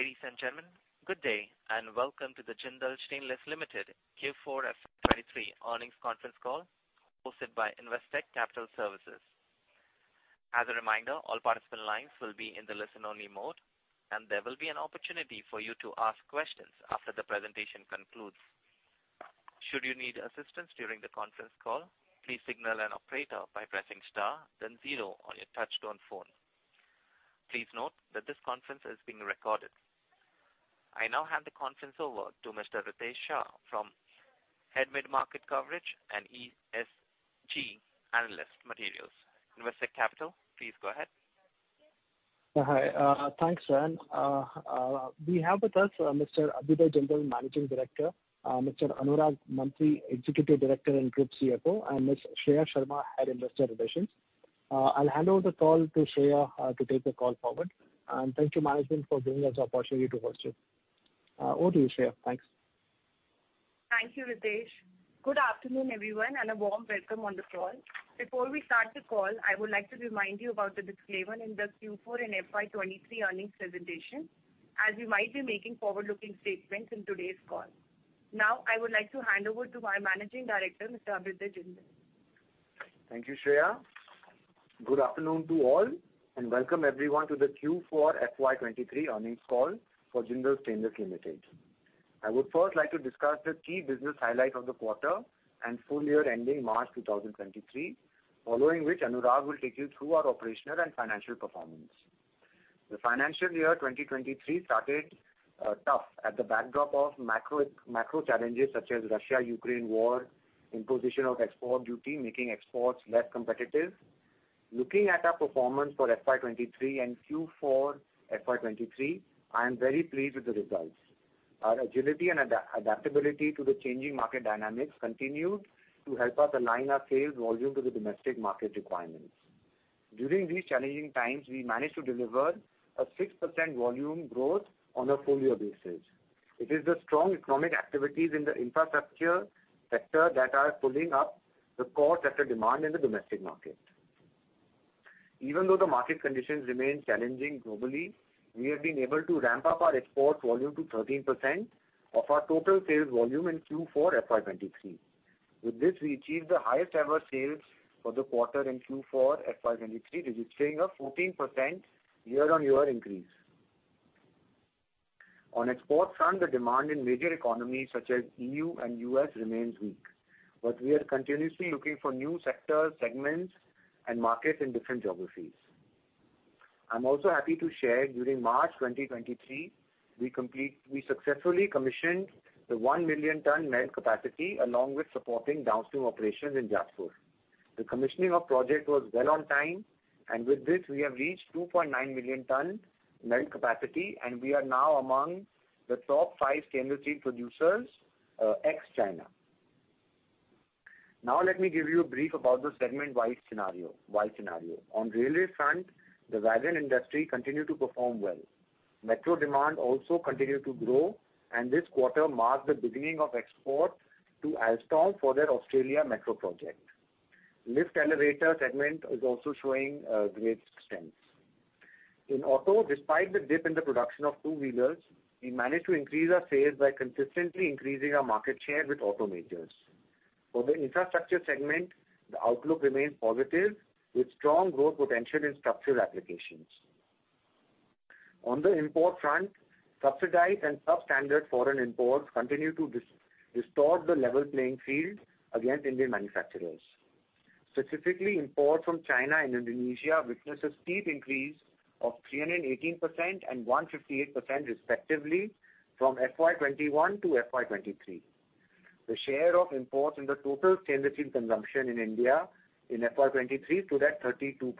Ladies and gentlemen, good day, and welcome to the Jindal Stainless Limited Q4 FY 2023 earnings conference call hosted by Investec Capital Services. As a reminder, all participant lines will be in the listen-only mode, and there will be an opportunity for you to ask questions after the presentation concludes. Should you need assistance during the conference call, please signal an operator by pressing star then zero on your touchtone phone. Please note that this conference is being recorded. I now hand the conference over to Mr. Ritesh Shah from Head Mid-Market Coverage and ESG Analyst Materials, Investec Capital. Please go ahead. Hi. Thanks, Ryan. We have with us, Mr. Abhyuday Jindal, Managing Director, Mr. Anurag Mantri, Executive Director and Group CFO, and Ms. Shreya Sharma, Head Investor Relations. I'll hand over the call to Shreya, to take the call forward. Thank you management for giving us the opportunity to host you. Over to you, Shreya. Thanks. Thank you, Ritesh. Good afternoon, everyone, a warm welcome on the call. Before we start the call, I would like to remind you about the disclaimer in the Q4 and FY 2023 earnings presentation, as we might be making forward-looking statements in today's call. I would like to hand over to our Managing Director, Mr. Abhyuday Jindal. Thank you, Shreya. Good afternoon to all, welcome everyone to the Q4 FY 2023 earnings call for Jindal Stainless Limited. I would first like to discuss the key business highlight of the quarter and full year ending March 2023, following which Anurag will take you through our operational and financial performance. The financial year 2023 started tough at the backdrop of macro challenges such as Russia-Ukraine war, imposition of export duty, making exports less competitive. Looking at our performance for FY 2023 and Q4 FY 2023, I am very pleased with the results. Our agility and adaptability to the changing market dynamics continued to help us align our sales volume to the domestic market requirements. During these challenging times, we managed to deliver a 6% volume growth on a full year basis. It is the strong economic activities in the infrastructure sector that are pulling up the core sector demand in the domestic market. Even though the market conditions remain challenging globally, we have been able to ramp up our export volume to 13% of our total sales volume in Q4 FY 2023. With this, we achieved the highest ever sales for the quarter in Q4 FY 2023, registering a 14% year-on-year increase. The demand in major economies such as EU and US remains weak, but we are continuously looking for new sectors, segments, and markets in different geographies. I'm also happy to share during March 2023, we successfully commissioned the one million ton melt capacity along with supporting downstream operations in Jajpur. The commissioning of project was well on time. With this we have reached 2.9 million ton melt capacity. We are now among the top five stainless steel producers, ex-China. Let me give you a brief about the segment wide scenario. On railway front, the wagon industry continued to perform well. Metro demand also continued to grow. This quarter marked the beginning of export to Alstom for their Australia metro project. Lift elevator segment is also showing great strength. In auto, despite the dip in the production of two-wheelers, we managed to increase our sales by consistently increasing our market share with auto majors. For the infrastructure segment, the outlook remains positive, with strong growth potential in structural applications. On the import front, subsidized and substandard foreign imports continue to distort the level playing field against Indian manufacturers. Specifically, import from China and Indonesia witnesses steep increase of 318% and 158% respectively from FY 2021 to FY 2023. The share of imports in the total stainless steel consumption in India in FY 2023 stood at 32%.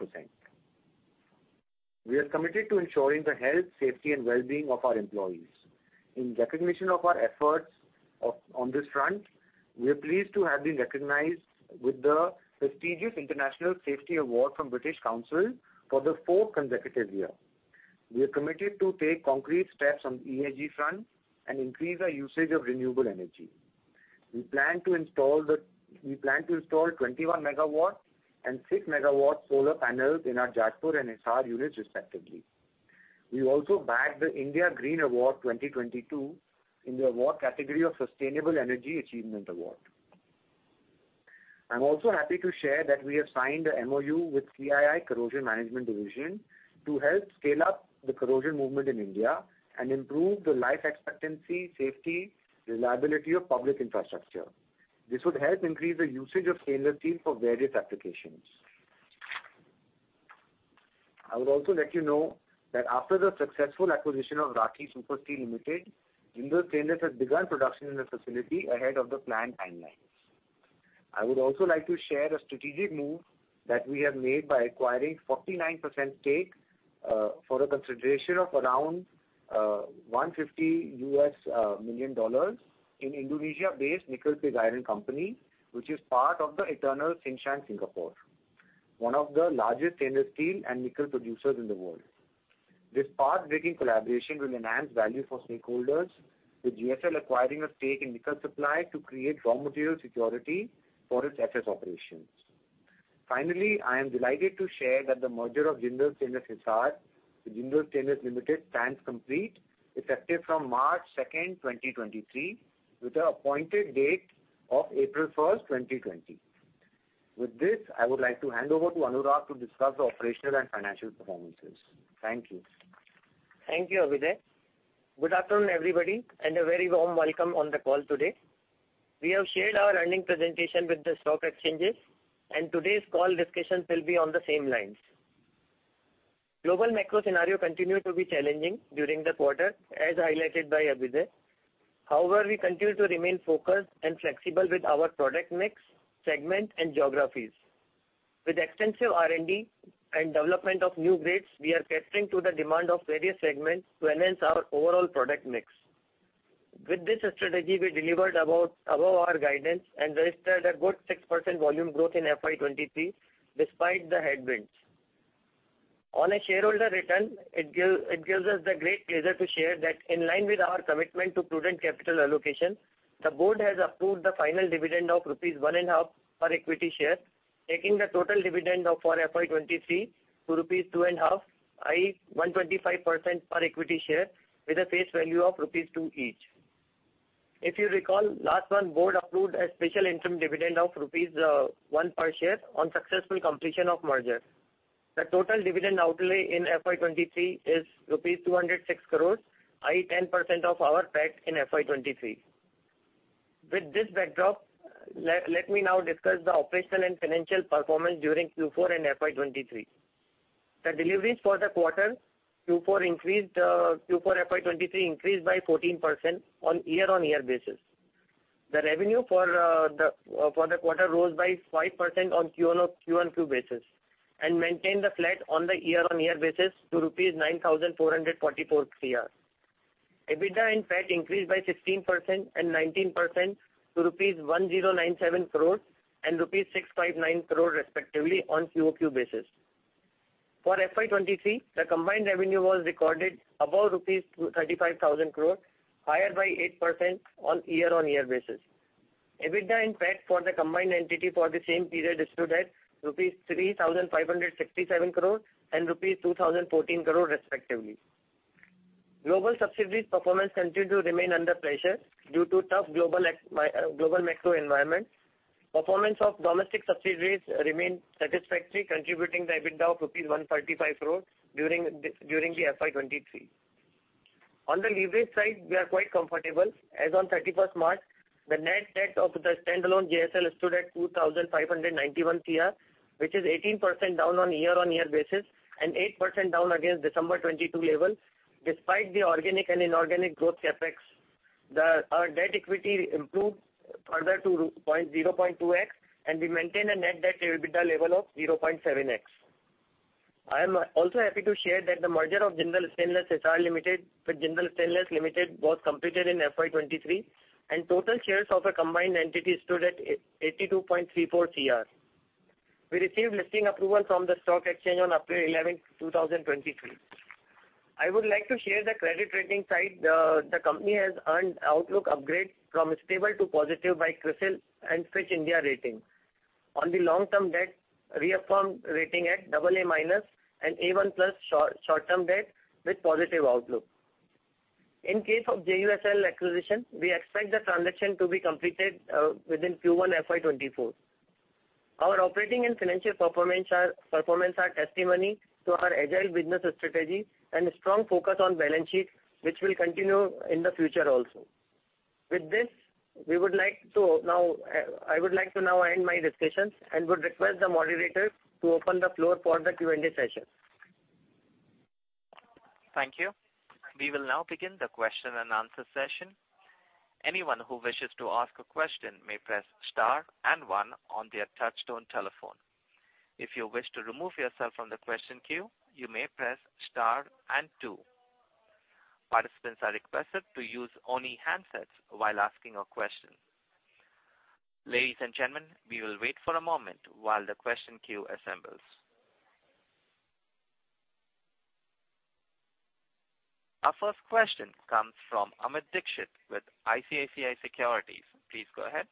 We are committed to ensuring the health, safety, and well-being of our employees. In recognition of our efforts on this front, we are pleased to have been recognized with the prestigious International Safety Award from British Council for the fourth consecutive year. We are committed to take concrete steps on ESG front and increase our usage of renewable energy. We plan to install 21 MW and 6 MW solar panels in our Jalore and Hisar units respectively. We also bagged the India Green Award 2022 in the award category of Sustainable Energy Achievement Award. I'm also happy to share that we have signed a MOU with CII Corrosion Management Division to help scale up the corrosion movement in India and improve the life expectancy, safety, reliability of public infrastructure. This would help increase the usage of stainless steel for various applications. I would also let you know that after the successful acquisition of Rathi Super Steel Limited, Jindal Stainless has begun production in the facility ahead of the planned timelines. I would also like to share a strategic move that we have made by acquiring 49% stake for a consideration of around $150 million in Indonesia-based nickel pig iron company, which is part of the Eternal Tsingshan Singapore, one of the largest stainless steel and nickel producers in the world. This path-breaking collaboration will enhance value for stakeholders, with JSL acquiring a stake in nickel supply to create raw material security for its SS operations. Finally, I am delighted to share that the merger of Jindal Stainless Hisar with Jindal Stainless Limited stands complete, effective from March 2nd, 2023, with the appointed date of April 1st, 2020. With this, I would like to hand over to Anurag to discuss the operational and financial performances. Thank you. Thank you, Abhyuday. Good afternoon, everybody, a very warm welcome on the call today. We have shared our earnings presentation with the stock exchanges, today's call discussions will be on the same lines. Global macro scenario continued to be challenging during the quarter, as highlighted by Abhyuday. However, we continue to remain focused and flexible with our product mix, segment and geographies. With extensive R&D and development of new grades, we are catering to the demand of various segments to enhance our overall product mix. With this strategy, we delivered about above our guidance and registered a good 6% volume growth in FY 2023 despite the headwinds. On a shareholder return, it gives us the great pleasure to share that in line with our commitment to prudent capital allocation, the board has approved the final dividend of rupees 1.5 per equity share, taking the total dividend of for FY 2023 to rupees 2.5, i.e., 125% per equity share with a face value of rupees 2 each. If you recall, last month board approved a special interim dividend of rupees 1 per share on successful completion of merger. The total dividend outlay in FY 2023 is rupees 206 crores, i.e., 10% of our PAT in FY 2023. With this backdrop, let me now discuss the operational and financial performance during Q4 and FY 2023. The deliveries for the quarter Q4 increased, Q4 FY 2023 increased by 14% on year-on-year basis. The revenue for the quarter rose by 5% on QoQ basis and maintained the flat on the year-on-year basis to rupees 9,444 crore. EBITDA and PAT increased by 16% and 19% to rupees 1,097 crores and rupees 659 crore respectively on QoQ basis. For FY 2023, the combined revenue was recorded above rupees 35,000 crores, higher by 8% on year-on-year basis. EBITDA and PAT for the combined entity for the same period stood at rupees 3,567 crores and rupees 2,014 crores respectively. Global subsidiaries performance continued to remain under pressure due to tough global macro environment. Performance of domestic subsidiaries remain satisfactory, contributing the EBITDA of rupees 135 crores during the FY 2023. On the leverage side, we are quite comfortable. As on 31st March, the net debt of the standalone JSL stood at 2,591 crore, which is 18% down on year-on-year basis and 8% down against December 2022 level. Despite the organic and inorganic growth CapEx, our debt equity improved further to 0.2x, and we maintain a net debt to EBITDA level of 0.7x. I am also happy to share that the merger of Jindal Stainless (Hisar) Limited with Jindal Stainless Limited was completed in FY 2023. Total shares of a combined entity stood at 82.34 crore. We received listing approval from the stock exchange on April 11, 2023. I would like to share the credit rating side. The company has earned outlook upgrade from stable to positive by CRISIL and Fitch India Rating. On the long-term debt, reaffirmed rating at AA- and A1+ short-term debt with positive outlook. In case of JUSL acquisition, we expect the transaction to be completed within Q1 FY 2024. Our operating and financial performance are testimony to our agile business strategy and strong focus on balance sheet, which will continue in the future also. With this, we would like to now, I would like to now end my discussions and would request the moderator to open the floor for the Q&A session. Thank you. We will now begin the question-and-answer session. Anyone who wishes to ask a question may press star and one on their touchtone telephone. If you wish to remove yourself from the question queue, you may press star and two. Participants are requested to use only handsets while asking a question. Ladies and gentlemen, we will wait for a moment while the question queue assembles. Our first question comes from Amit Dixit with ICICI Securities. Please go ahead.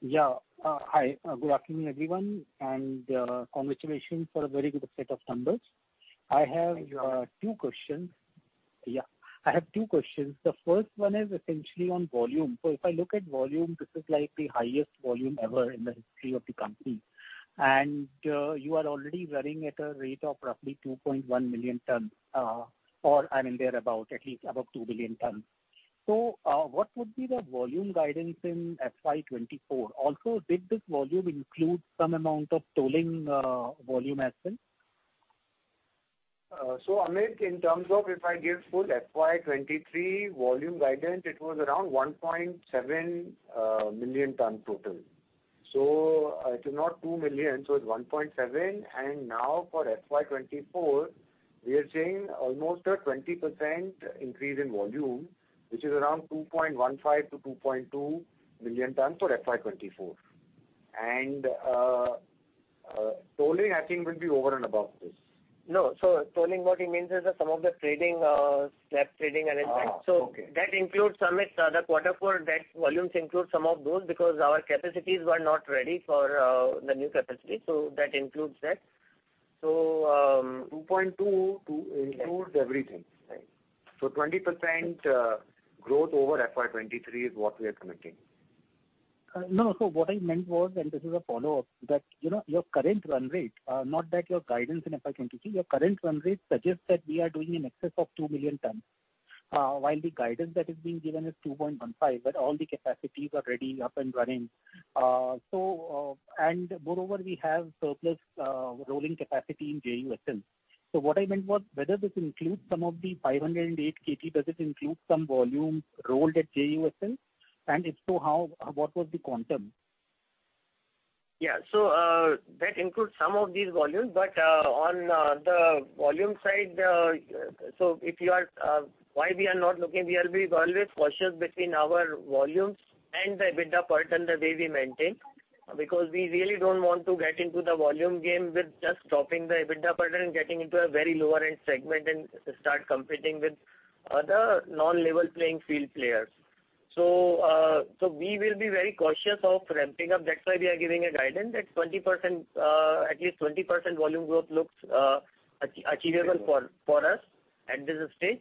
Yeah. Hi, good afternoon everyone, congratulations for a very good set of numbers. I have two questions. Yeah, I have two questions. The first one is essentially on volume. If I look at volume, this is like the highest volume ever in the history of the company. You are already running at a rate of roughly 2.1 million tons, or I mean thereabout, at least above two million tons. What would be the volume guidance in FY 2024? Also, did this volume include some amount of tolling, volume as well? Amit, in terms of if I give full FY 2023 volume guidance, it was around 1.7 million tons total. It is not two million, so it's 1.7. Now for FY 2024, we are seeing almost a 20% increase in volume, which is around 2.15 million to 2.2 million tons for FY 2024. Rolling I think will be over and above this. No. rolling what he means is that some of the trading, slab trading. Okay. That includes some of the quarter four debt volumes include some of those because our capacities were not ready for the new capacity. That includes that. 2.2 includes everything, right? 20% growth over FY 2023 is what we are committing. No. What I meant was, this is a follow-up, that, you know, your current run rate, not that your guidance in FY 2023, your current run rate suggests that we are doing in excess of two million tons. While the guidance that is being given is 2.15, all the capacities are ready, up and running. Moreover, we have surplus rolling capacity in JUSL. What I meant was whether this includes some of the 508 KT, does it include some volume rolled at JUSL? If so, how, what was the quantum? That includes some of these volumes, but on the volume side, so if you are, why we are not looking, we are, we're always cautious between our volumes and the EBITDA pattern the way we maintain, because we really don't want to get into the volume game with just dropping the EBITDA pattern and getting into a very lower end segment and start competing with other non-level playing field players. We will be very cautious of ramping up. That's why we are giving a guidance that 20%, at least 20% volume growth looks achievable for us at this stage.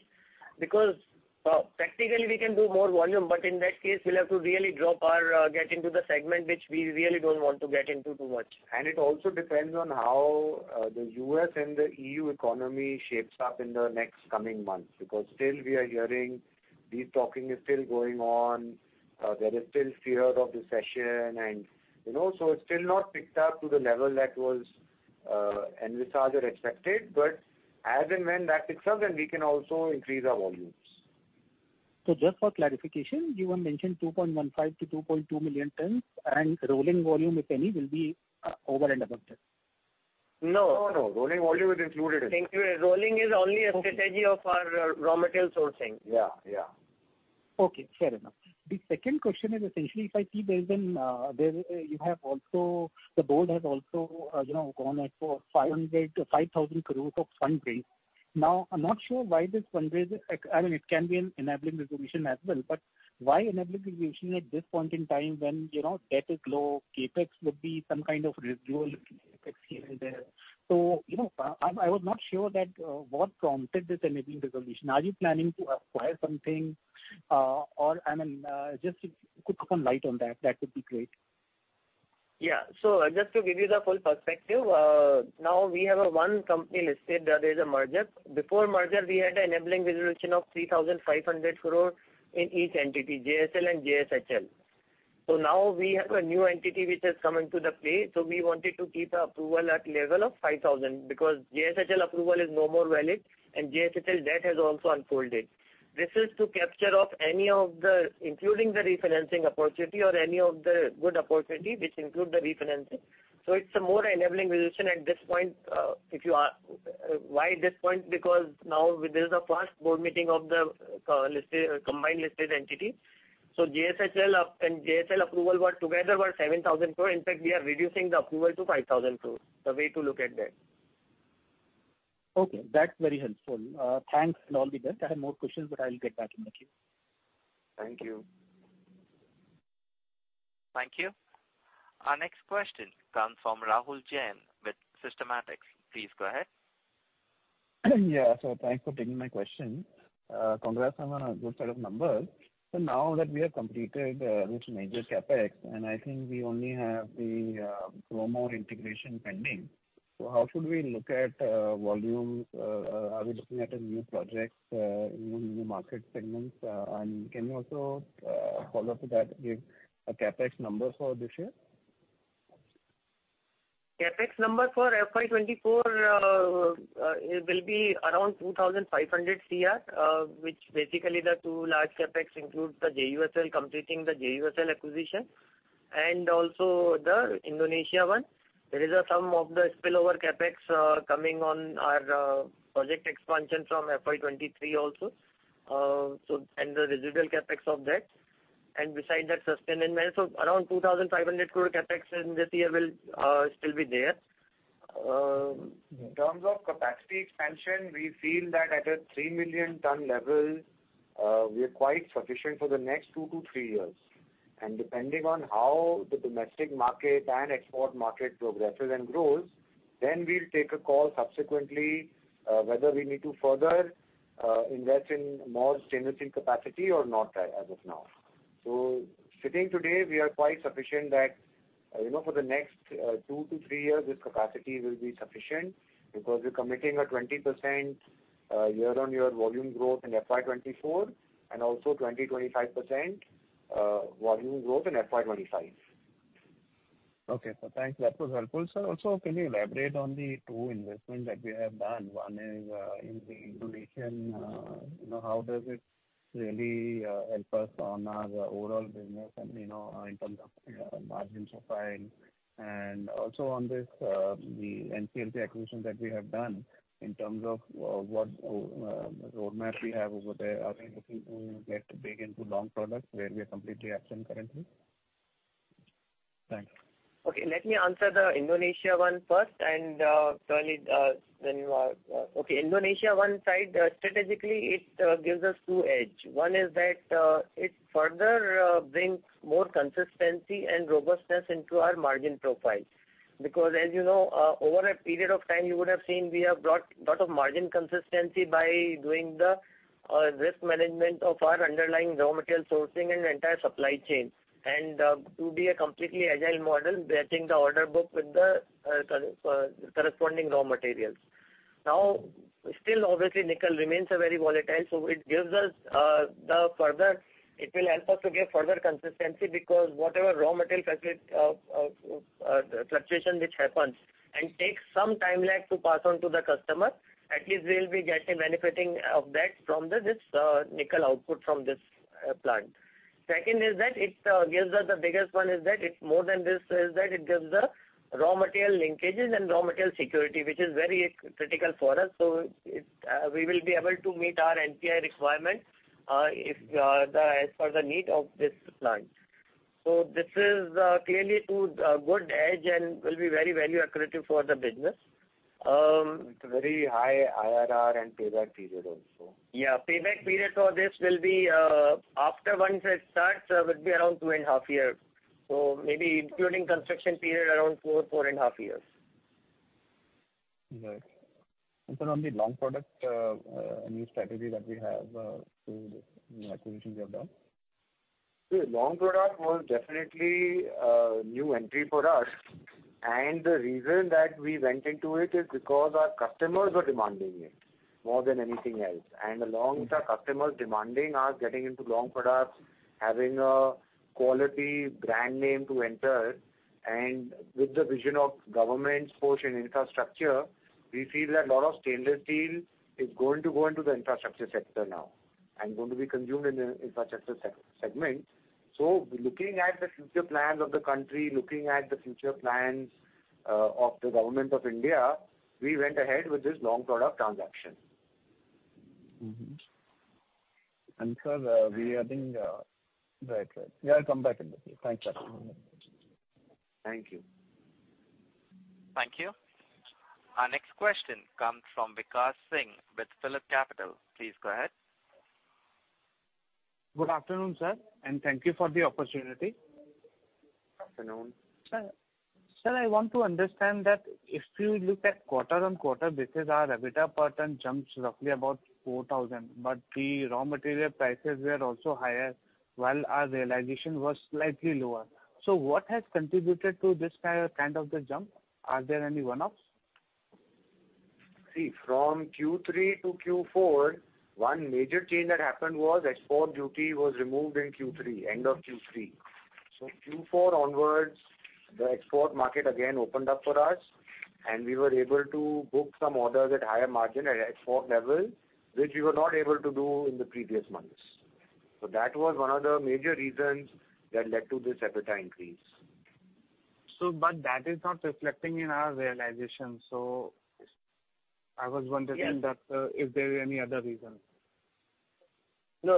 Practically we can do more volume, but in that case, we'll have to really drop our, get into the segment which we really don't want to get into too much. It also depends on how the US and the EU economy shapes up in the next coming months. Still we are hearing these talking is still going on, there is still fear of recession and, you know, so it's still not picked up to the level that was envisaged or expected. As and when that picks up, then we can also increase our volumes. Just for clarification, you have mentioned 2.15 million to 2.2 million tons and rolling volume, if any, will be over and above that. No. No, no. Rolling volume is included in that. Thank you. Rolling is only a strategy of our raw material sourcing. Yeah, yeah. Okay, fair enough. The second question is essentially if I see there's been, there you have also the board has also, you know, gone ahead for 500 crores-5,000 crores of fund raise. I'm not sure why this fund raise, I mean, it can be an enabling resolution as well, but why enabling resolution at this point in time when, you know, debt is low, CapEx would be some kind of residual CapEx here and there. You know, I was not sure that, what prompted this enabling resolution. Are you planning to acquire something? Or, I mean, just to put some light on that would be great. Just to give you the full perspective, now we have a one company listed, there's a merger. Before merger, we had enabling resolution of 3,500 crore in each entity, JSL and JSHL. Now we have a new entity which has come into the play. We wanted to keep the approval at level of 5,000 crore because JSHL approval is no more valid and JSHL debt has also unfolded. This is to capture of any of the, including the refinancing opportunity or any of the good opportunity which include the refinancing. It's a more enabling resolution at this point. If you are, why this point? Now with this is the 1st board meeting of the listed combined listed entity. JSHL up and JSL approval were together were 7,000 crore. In fact, we are reducing the approval to 5,000 crore, the way to look at that. Okay, that's very helpful. Thanks and all the best. I have more questions, but I'll get back in the queue. Thank you. Thank you. Our next question comes from Rahul Jain with Systematix. Please go ahead. Yeah. Thanks for taking my question. Congrats on a good set of numbers. Now that we have completed this major CapEx, and I think we only have the Promor integration pending. How should we look at volume? Are we looking at a new project, new market segments? Can you also follow up with that, give a CapEx number for this year? CapEx number for FY 2024, it will be around 2,500 crore, which basically the two large CapEx include the JUSL completing the JUSL acquisition and also the Indonesia one. There is some of the spillover CapEx coming on our project expansion from FY 2023 also. The residual CapEx of that. Besides that, sustain and manage. Around 2,500 crore CapEx in this year will still be there. In terms of capacity expansion, we feel that at a three million ton level, we are quite sufficient for the next two to three years. Depending on how the domestic market and export market progresses and grows, then we'll take a call subsequently whether we need to further invest in more stainless steel capacity or not as of now. Sitting today, we are quite sufficient that, you know, for the next two to three years, this capacity will be sufficient because we're committing a 20% year-on-year volume growth in FY 2024 and also 20% to 25% volume growth in FY 2025. Okay. Thanks. That was helpful. Sir, also can you elaborate on the two investments that we have done? One is in the Indonesia, you know, how does it really help us on our overall business and, you know, in terms of margins profile? Also on this, the NCLT acquisition that we have done in terms of what roadmap we have over there. Are we looking to get big into long products where we are completely absent currently? Thanks. Okay, let me answer the Indonesia one first. Tony, okay. Indonesia one side, strategically it gives us two edge. One is that it further brings more consistency and robustness into our margin profile. As you know, over a period of time you would have seen we have brought lot of margin consistency by doing the risk management of our underlying raw material sourcing and entire supply chain. To be a completely agile model, matching the order book with the corresponding raw materials. Still obviously nickel remains a very volatile, so it gives us. It will help us to get further consistency because whatever raw material fluctuation which happens and takes some time lag to pass on to the customer, at least we'll be getting benefiting of that from this nickel output from this plant. Second is that it gives us the biggest one is that it more than this is that it gives the raw material linkages and raw material security, which is very critical for us. We will be able to meet our NPI requirement if the as per the need of this plant. This is clearly two good edge and will be very value accretive for the business. It's a very high IRR and payback period also. Yeah. Payback period for this will be, after once it starts, will be around 2.5 years. Maybe including construction period, around 4.5 years. Right. sir, on the long product, new strategy that we have through the acquisitions we have done. Long product was definitely a new entry for us. The reason that we went into it is because our customers were demanding it more than anything else. Along with our customers demanding us getting into long products, having a quality brand name to enter, and with the vision of government push in infrastructure, we feel that a lot of stainless steel is going to go into the infrastructure sector now, and going to be consumed in the infrastructure segment. Looking at the future plans of the country, looking at the future plans of the government of India, we went ahead with this long product transaction. Sir, I think, Right. We'll come back in the queue. Thanks, sir. Thank you. Thank you. Our next question comes from Vikash Singh with PhillipCapital. Please go ahead. Good afternoon, sir, and thank you for the opportunity. Afternoon. Sir, I want to understand that if you look at quarter-on-quarter basis, our EBITDA per ton jumps roughly about 4,000. The raw material prices were also higher, while our realization was slightly lower. What has contributed to this kind of the jump? Are there any one-offs? From Q3 to Q4, one major change that happened was export duty was removed in Q3, end of Q3. Q4 onwards, the export market again opened up for us, and we were able to book some orders at higher margin at export level, which we were not able to do in the previous months. That was one of the major reasons that led to this EBITDA increase. But that is not reflecting in our realization. I was wondering- Yes. ...that, if there were any other reason. No.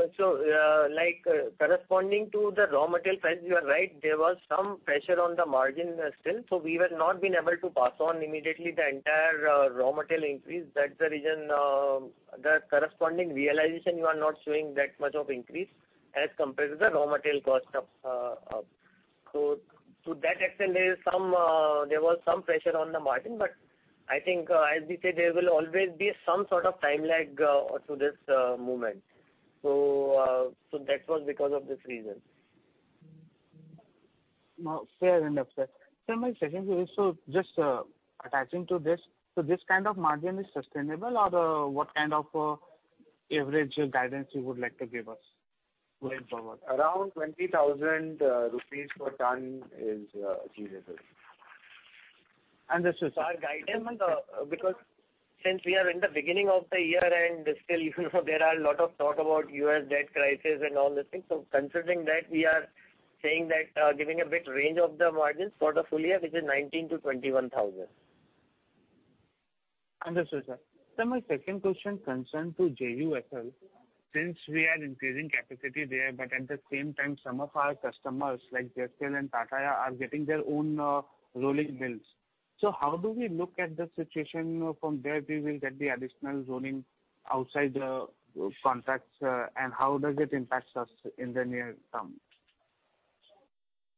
like corresponding to the raw material price, you are right, there was some pressure on the margin still. We were not been able to pass on immediately the entire raw material increase. That's the reason, the corresponding realization you are not showing that much of increase as compared to the raw material cost of. To that extent, there was some pressure on the margin, but I think, as we said, there will always be some sort of time lag to this movement. That was because of this reason. No. Fair enough, sir. Sir, my second is just attaching to this. This kind of margin is sustainable or what kind of average guidance you would like to give us going forward? Around 20,000 rupees per ton is achievable. Understood, sir. Our guidance, because since we are in the beginning of the year and still there are a lot of talk about US debt crisis and all these things. Considering that, we are saying that, giving a bit range of the margins for the full year, which is 19,000-21,000. Understood, sir. Sir, my second question concerned to JUSL. We are increasing capacity there, but at the same time some of our customers like JFE and Tata are getting their own rolling mills. How do we look at the situation from there we will get the additional zoning outside the contracts, and how does it impact us in the near term?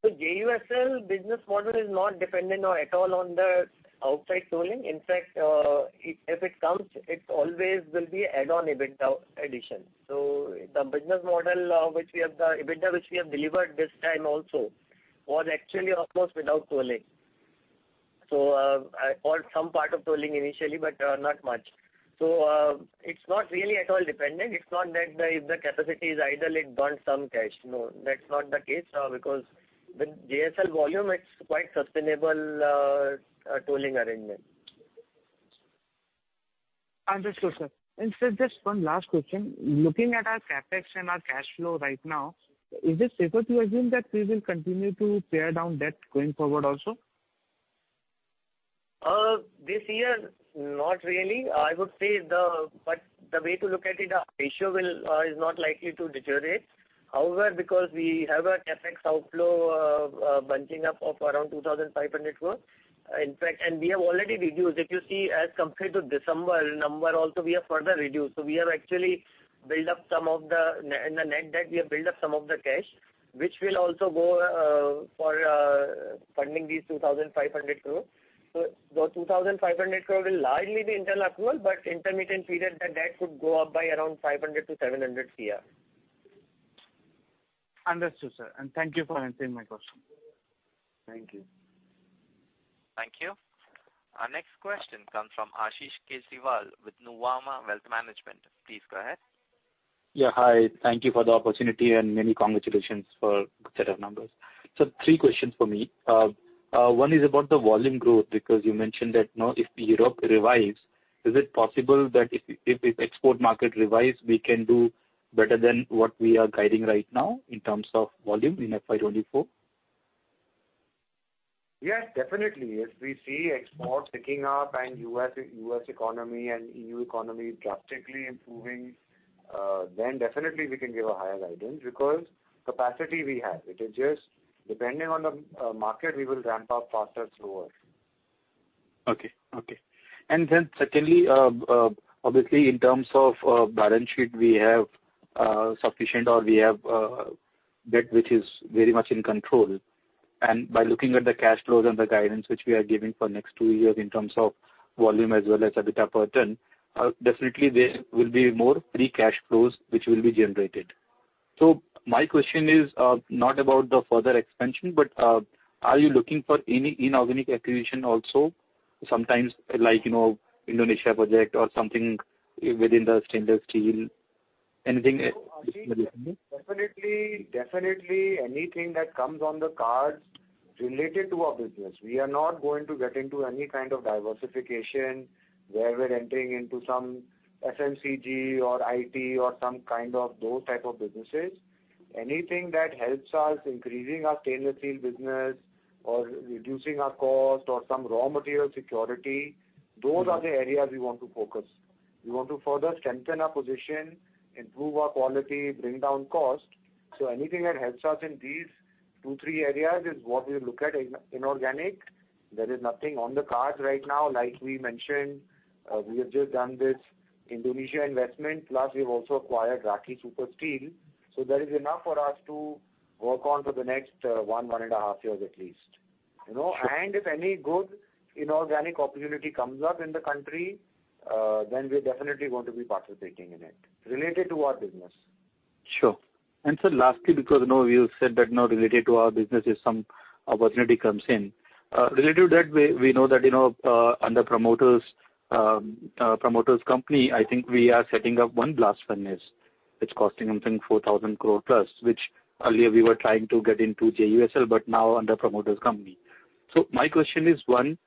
JUSL business model is not dependent at all on the outside tooling. In fact, if it comes, it always will be add-on EBITDA addition. The business model, which we have the EBITDA, which we have delivered this time also, was actually almost without tooling. Or some part of tooling initially, but not much. It's not really at all dependent. It's not that if the capacity is idle, it burns some cash. No, that's not the case, because with JSL volume, it's quite sustainable tooling arrangement. Understood, sir. Sir, just one last question. Looking at our CapEx and our cash flow right now, is it safe to assume that we will continue to pare down debt going forward also? This year, not really. I would say the way to look at it, our ratio will not likely to deteriorate. However, because we have a CapEx outflow, bunching up of around 2,500 crore. In fact, we have already reduced. If you see as compared to December number also, we have further reduced. We have actually In the net debt, we have built up some of the cash, which will also go for funding these 2,500 crore. Those 2,500 crore will largely be internal accrual, but intermittent period the debt could go up by around 500-700 CR. Understood, sir. Thank you for answering my question. Thank you. Thank you. Our next question comes from Ashish Kejriwal with Nuvama Wealth Management. Please go ahead. Yeah, hi. Thank you for the opportunity and many congratulations for good set of numbers. Three questions for me. One is about the volume growth, because you mentioned that, you know, if Europe revives, is it possible that if export market revives, we can do better than what we are guiding right now in terms of volume in FY 2024? Yes, definitely. If we see exports picking up and U.S. economy and E.U. economy drastically improving, definitely we can give a higher guidance because capacity we have. It is just depending on the market, we will ramp up faster, slower. Okay. Okay. Secondly, obviously, in terms of balance sheet, we have sufficient or we have debt which is very much in control. By looking at the cash flows and the guidance which we are giving for next two years in terms of volume as well as EBITDA per ton, definitely there will be more free cash flows which will be generated. My question is not about the further expansion, but are you looking for any inorganic acquisition also? Sometimes like, you know, Indonesia project or something within the stainless steel, anything? Definitely, anything that comes on the cards related to our business. We are not going to get into any kind of diversification where we're entering into some FMCG or IT or some kind of those type of businesses. Anything that helps us increasing our stainless steel business or reducing our cost or some raw material security, those are the areas we want to focus. We want to further strengthen our position, improve our quality, bring down cost. Anything that helps us in these two, three areas is what we look at in inorganic. There is nothing on the cards right now. We mentioned, we have just done this Indonesia investment, plus we've also acquired Rathi Super Steel. That is enough for us to work on for the next one and a half years at least. You know, if any good inorganic opportunity comes up in the country, then we're definitely going to be participating in it related to our business. Sure. Sir, lastly, because, you know, you said that now related to our business if some opportunity comes in. Related to that, we know that, you know, under promoters company, I think we are setting up one blast furnace. It's costing, I think, 4,000 crore+, which earlier we were trying to get into JUSL, but now under promoters company. My question is, one,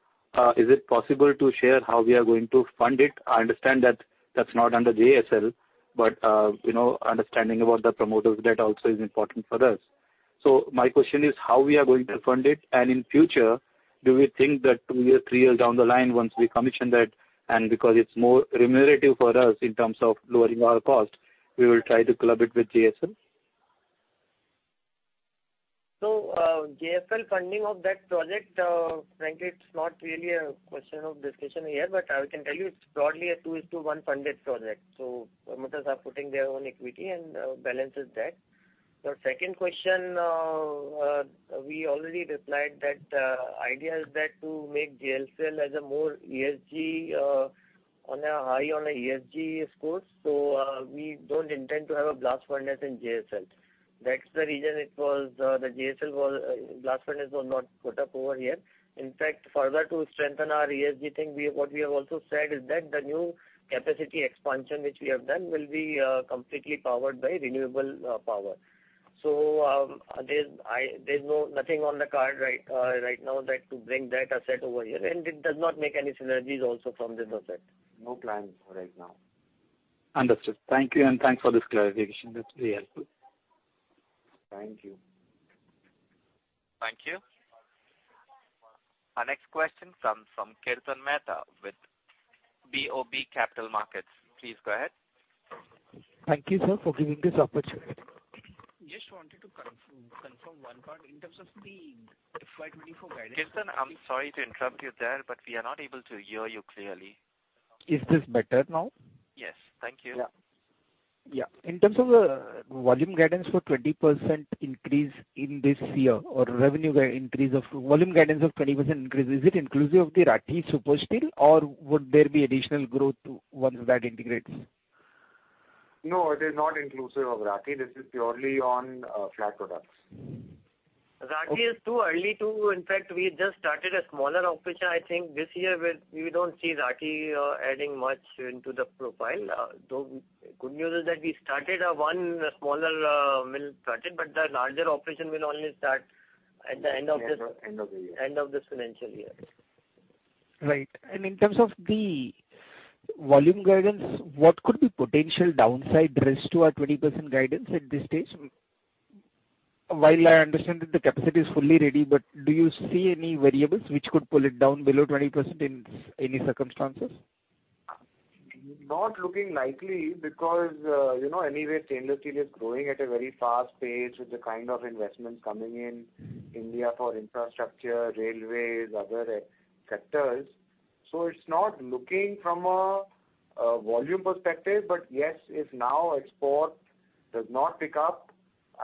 is it possible to share how we are going to fund it? I understand that that's not under JSL, but, you know, understanding about the promoters debt also is important for us. My question is how we are going to fund it, in future do we think that two year, three year down the line once we commission that, because it's more remunerative for us in terms of lowering our cost, we will try to club it with JSL? JSL funding of that project, frankly, it's not really a question of discussion here, I can tell you it's broadly a two is to one funded project. Promoters are putting their own equity and balance is debt. Your second question, we already replied that idea is that to make JSPL as a more ESG on a high ESG scores. We don't intend to have a blast furnace in JSL. That's the reason blast furnace was not put up over here. In fact, further to strengthen our ESG thing, what we have also said is that the new capacity expansion which we have done will be completely powered by renewable power. There's no nothing on the card right now that to bring that asset over here, and it does not make any synergies also from this asset. No plans for right now. Understood. Thank you, and thanks for this clarification. That's really helpful. Thank you. Thank you. Our next question comes from Kirtan Mehta with BOB Capital Markets. Please go ahead. Thank you, sir, for giving this opportunity. Just wanted to confirm one part in terms of the FY 2024 guidance. Kirtan, I'm sorry to interrupt you there, but we are not able to hear you clearly. Is this better now? Yes. Thank you. Yeah. Yeah. In terms of the volume guidance for 20% increase in this year or volume guidance of 20% increase, is it inclusive of the Rathi Super Steel or would there be additional growth once that integrates? No, it is not inclusive of Rathi. This is purely on flat products. Rathi is too early. In fact, we just started a smaller operation. I think this year we don't see Rathi adding much into the profile. Though good news is that we started one smaller mill started, but the larger operation will only start at the end of this. End of the year. End of this financial year. Right. In terms of the volume guidance, what could be potential downside risk to our 20% guidance at this stage? While I understand that the capacity is fully ready, but do you see any variables which could pull it down below 20% in any circumstances? Not looking likely because, you know, anyway, stainless steel is growing at a very fast pace with the kind of investments coming in India for infrastructure, railways, other sectors. It's not looking from a volume perspective. Yes, if now export does not pick up,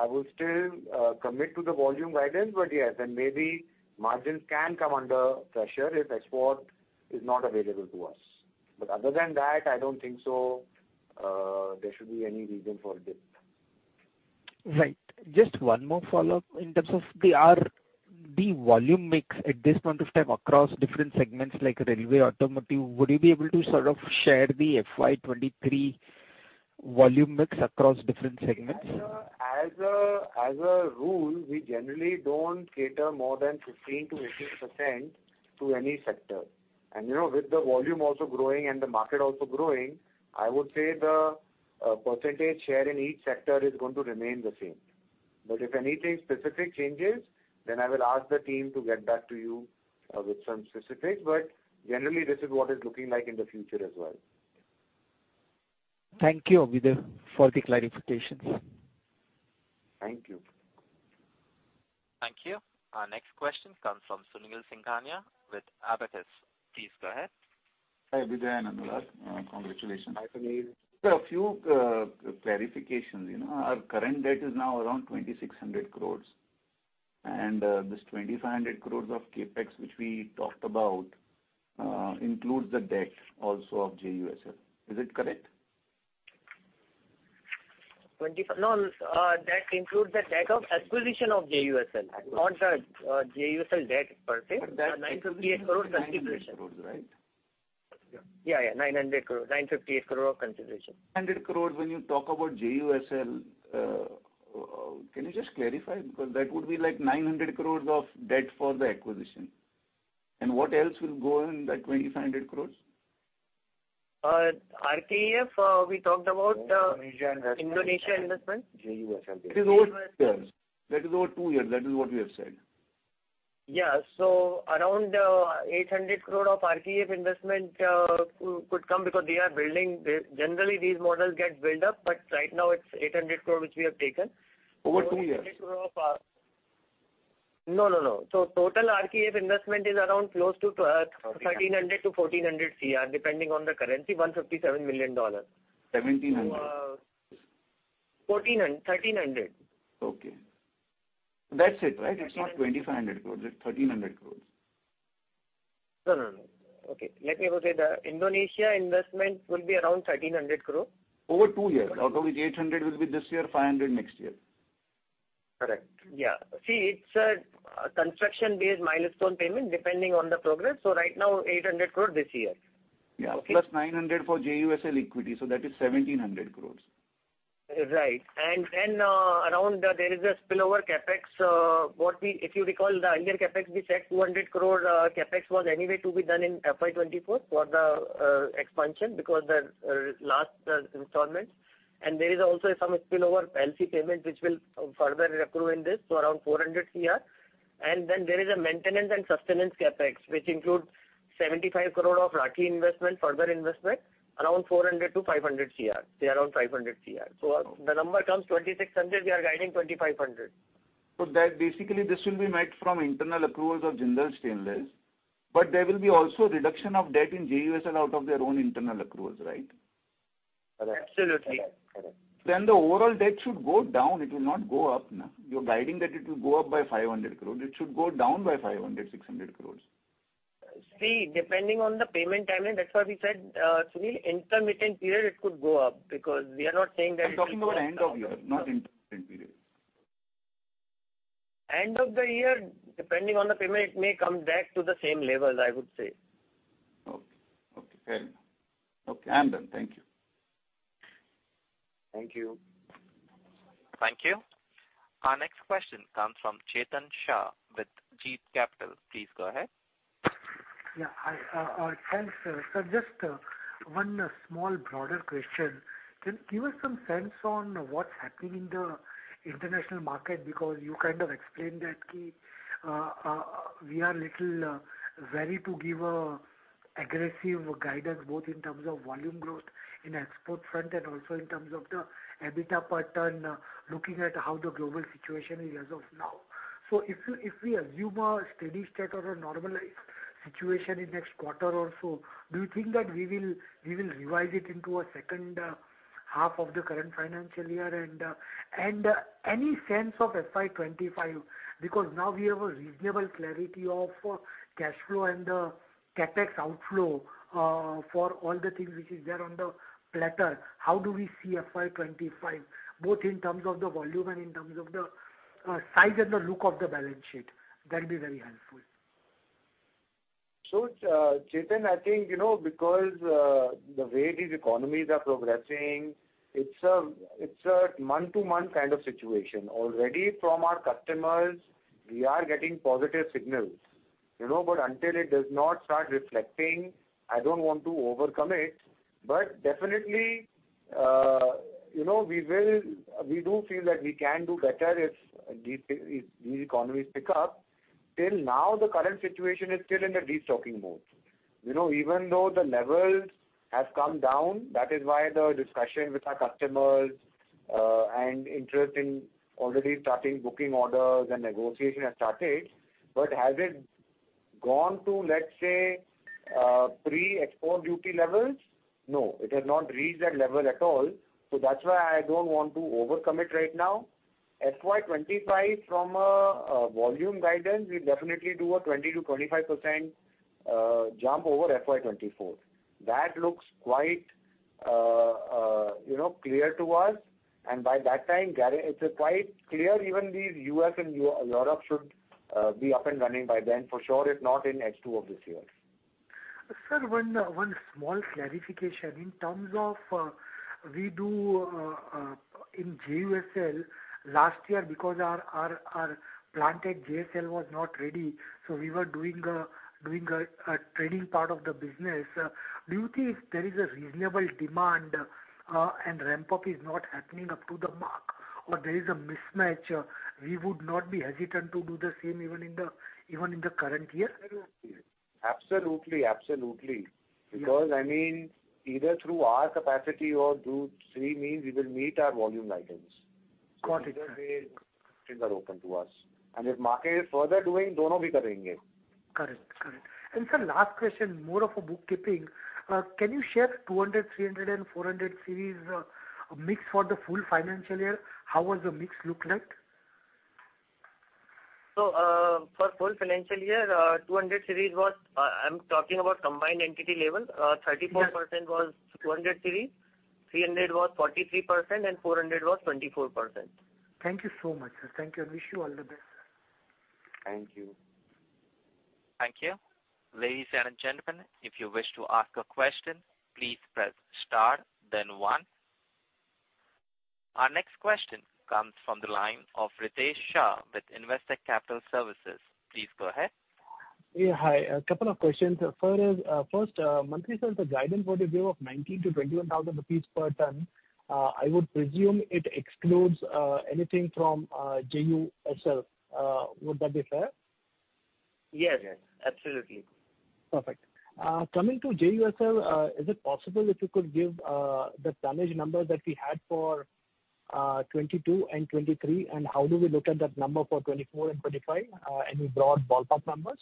I will still commit to the volume guidance. Yes, maybe margins can come under pressure if export is not available to us. Other than that, I don't think so, there should be any reason for dip. Right. Just one more follow-up. In terms of the volume mix at this point of time across different segments like railway, automotive, would you be able to sort of share the FY 2023 volume mix across different segments? As a rule, we generally don't cater more than 15% to 18% to any sector. You know, with the volume also growing and the market also growing, I would say the percentage share in each sector is going to remain the same. If anything specific changes, then I will ask the team to get back to you with some specifics. Generally, this is what is looking like in the future as well. Thank you, Abhyuday, for the clarifications. Thank you. Thank you. Our next question comes from Sunil Singhania with Abakkus. Please go ahead. Hi, Abhyuday and Anurag. Congratulations. Hi, Sunil. Sir, a few, clarifications. You know, our current debt is now around 2,600 crores. This 2,500 crores of CapEx which we talked about, includes the debt also of JUSL. Is it correct? No. That includes the debt of acquisition of JUSL, not the JUSL debt per se. 958 crore consideration. That includes the 900 crores, right? Yeah, yeah. 900 crores. 958 crore of consideration. 100 crore when you talk about JUSL, can you just clarify? That would be like 900 crores of debt for the acquisition. What else will go in that 2,500 crores? RKEF, we talked about. Indonesia investment. Indonesia investment. JUSL. That is over two years. That is what we have said. Yeah. Around 800 crore of RKEF investment could come because they are building. Generally, these models get built up, but right now it's 800 crore which we have taken. Over two years. No, no. Total RKEF investment is around close to 1,300 crore-1,400 crore, depending on the currency, $157 million. 1,700. 1,300. Okay. That's it, right? It's not 2,500 crores, it's 1,300 crores. No, no. Okay. Let me repeat that. Indonesia investment will be around 1,300 crore. Over two years. Out of which 800 will be this year, 500 next year. Correct. Yeah. See, it's a construction-based milestone payment depending on the progress. Right now, 800 crore this year. Yeah. Okay. Plus 900 for JUSL equity, that is 1,700 crores. Right. Around there is a spillover CapEx. If you recall the earlier CapEx, we said 200 crore CapEx was anyway to be done in FY 2024 for the expansion because the last installments. There is also some spillover LC payment which will further accrue in this, around 400 crore. There is a maintenance and sustenance CapEx, which includes 75 crore of RAKE investment, further investment, around 400 crore-500 crore. Say around 500 crore. The number comes 2,600, we are guiding 2,500. That basically this will be met from internal accruals of Jindal Stainless, but there will be also reduction of debt in JUSL out of their own internal accruals, right? Correct. Absolutely. The overall debt should go down. It will not go up na. You're guiding that it will go up by 500 crore. It should go down by 500-600 crores. Depending on the payment timing, that's why we said, Sunil, intermittent period it could go up because we are not saying that. I'm talking about end of year, not intermittent period. End of the year, depending on the payment, it may come back to the same levels, I would say. Okay. Okay, fair enough. Okay, I'm done. Thank you. Thank you. Thank you. Our next question comes from Chetan Shah with Jeet Capital. Please go ahead. Yeah. Hi. Thanks, sir. Just one small broader question. Can you give us some sense on what's happening in the international market? Because you kind of explained that we are little wary to give a aggressive guidance, both in terms of volume growth in export front and also in terms of the EBITDA per ton, looking at how the global situation is as of now. If you, if we assume a steady state or a normalized situation in next quarter or so, do you think that we will revise it into a second half of the current financial year? Any sense of FY 2025, because now we have a reasonable clarity of cash flow and the CapEx outflow for all the things which is there on the platter. How do we see FY 25, both in terms of the volume and in terms of the size and the look of the balance sheet? That'd be very helpful. Chetan, I think, because the way these economies are progressing, it's a month-to-month kind of situation. Already from our customers, we are getting positive signals. You know, until it does not start reflecting, I don't want to overcommit. Definitely, you know, we do feel that we can do better if these economies pick up. Till now, the current situation is still in the destocking mode. You know, even though the levels have come down, that is why the discussion with our customers, and interest in already starting booking orders and negotiation has started. Has it gone to, let's say, pre-export duty levels? No, it has not reached that level at all. That's why I don't want to overcommit right now. FY 2025 from a volume guidance, we definitely do a 20% to 25% jump over FY 2024. That looks quite, you know, clear to us. By that time, Gary, it's quite clear even the U.S. and Europe should be up and running by then for sure, if not in H2 of this year. Sir, one small clarification. In terms of, we do in JUSL last year because our planted JSL was not ready, so we were doing a trading part of the business. Do you think if there is a reasonable demand and ramp-up is not happening up to the mark or there is a mismatch, we would not be hesitant to do the same even in the current year? Absolutely. Absolutely. Yes. I mean, either through our capacity or through three means, we will meet our volume guidance. Got it. Either way, things are open to us. If market is further doing. Correct. Correct. Sir, last question, more of a bookkeeping. Can you share 200 Series, 300 Series and 400 Series mix for the full financial year? How was the mix look like? For full financial year, for 200 Series was, I'm talking about combined entity level. 34%. Yes. Was 200 Series, 300 was 43% and 400 was 24%. Thank you so much, sir. Thank you and wish you all the best. Thank you. Thank you. Ladies and gentlemen, if you wish to ask a question, please press star then one. Our next question comes from the line of Ritesh Shah with Investec Capital Services. Please go ahead. Hi. A couple of questions. Far as first, Mankeshwar, the guidance what you gave of 19,000-21,000 rupees per ton, I would presume it excludes anything from JUSL. Would that be fair? Yes, yes. Absolutely. Perfect. Coming to JUSL, is it possible if you could give the tonnage number that we had for 2022 and 2023? How do we look at that number for 2024 and 2025? Any broad ballpark numbers?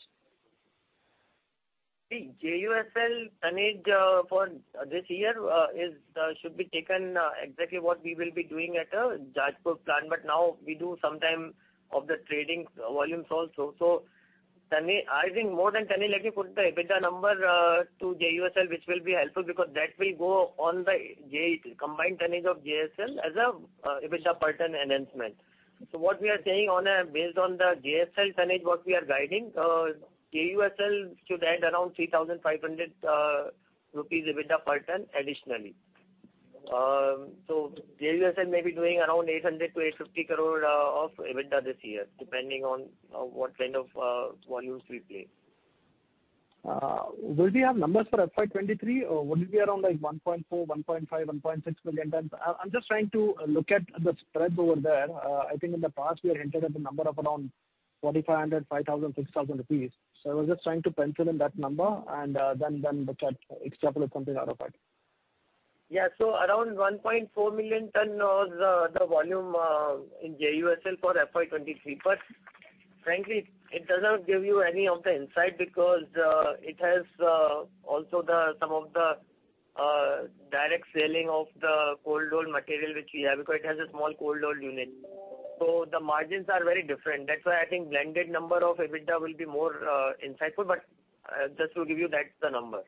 JUSL tonnage for this year is should be taken exactly what we will be doing at Jajpur plant. Now we do sometime of the trading volumes also. Tonnage, I think more than tonnage, let me put the EBITDA number to JUSL, which will be helpful because that will go on the combined tonnage of JSL as a EBITDA per ton enhancement. What we are saying based on the JSL tonnage, what we are guiding, JUSL should add around 3,500 rupees EBITDA per ton additionally. JUSL may be doing around 800 crore-850 crore of EBITDA this year, depending on what kind of volumes we play. Will we have numbers for FY 2023, or would it be around like 1.4 million, 1.5 million, 1.6 million tons? I'm just trying to look at the spreads over there. I think in the past we had entered at the number of around 2,500, 5,000, 6,000 rupees. I was just trying to pencil in that number and then extrapolate something out of that. Yeah. Around 1.4 million tons was the volume in JUSL for FY 2023. Frankly, it doesn't give you any of the insight because it has also the, some of the, direct selling of the cold rolled material which we have because it has a small cold rolled unit. The margins are very different. That's why I think blended number of EBITDA will be more insightful, but just to give you, that's the number.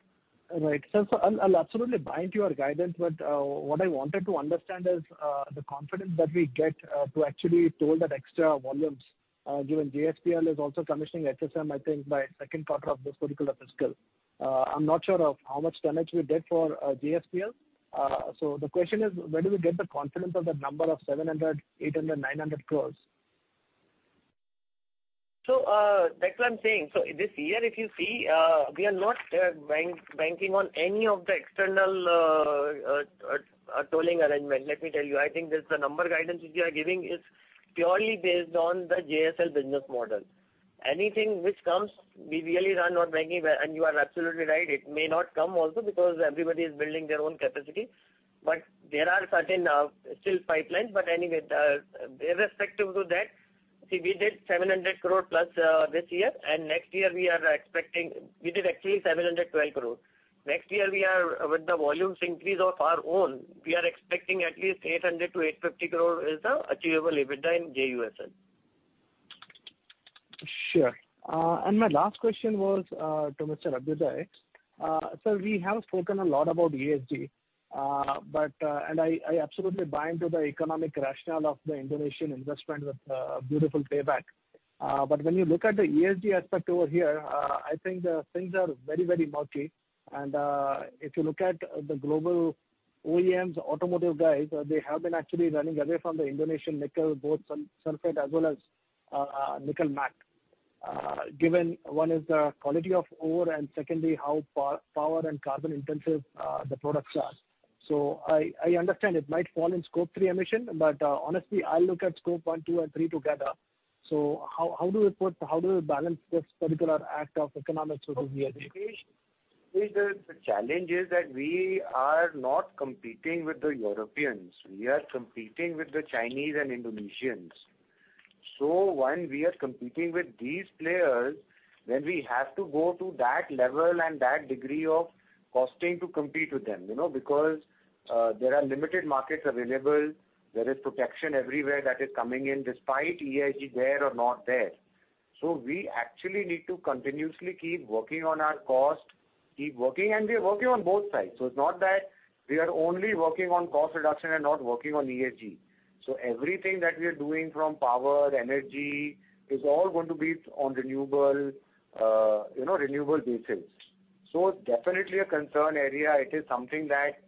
Right. I'll absolutely buy into your guidance. What I wanted to understand is the confidence that we get to actually toll that extra volumes, given JSPL is also commissioning FSM, I think by second quarter of this particular fiscal. I'm not sure of how much tonnage we did for JSPL. The question is, where do we get the confidence of the number of 700 crore, 800 crore, 900 crore? That's what I'm saying. This year, if you see, we are not banking on any of the external tolling arrangement. Let me tell you, I think this, the number guidance which we are giving is purely based on the JSL business model. Anything which comes, we really are not banking. You are absolutely right, it may not come also because everybody is building their own capacity. There are certain still pipelines. Anyway, irrespective to that, see, we did 700 crore+ this year, and next year we are expecting. We did actually 712 crore. Next year we are, with the volumes increase of our own, we are expecting at least 800 crore-850 crore is the achievable EBITDA in JUSL. Sure. My last question was to Mr. Abhyuday. Sir, we have spoken a lot about ESG, I absolutely buy into the economic rationale of the Indonesian investment with beautiful payback. When you look at the ESG aspect over here, I think the things are very, very murky. If you look at the global OEMs, automotive guys, they have been actually running away from the Indonesian nickel, both sulfate as well as nickel matte. Given one is the quality of ore, and secondly, how power and carbon intensive the products are. I understand it might fall in Scope three emission, but honestly, I look at Scope one, two, and three together. How do we balance this particular act of economic sovereignty here? Ritesh, the challenge is that we are not competing with the Europeans. We are competing with the Chinese and Indonesians. When we are competing with these players, then we have to go to that level and that degree of costing to compete with them. You know, because there are limited markets available, there is protection everywhere that is coming in despite ESG there or not there. We actually need to continuously keep working on our cost, keep working, and we are working on both sides. It's not that we are only working on cost reduction and not working on ESG. Everything that we are doing from power, energy, is all going to be on renewable, you know, renewable basis. It's definitely a concern area. It is something that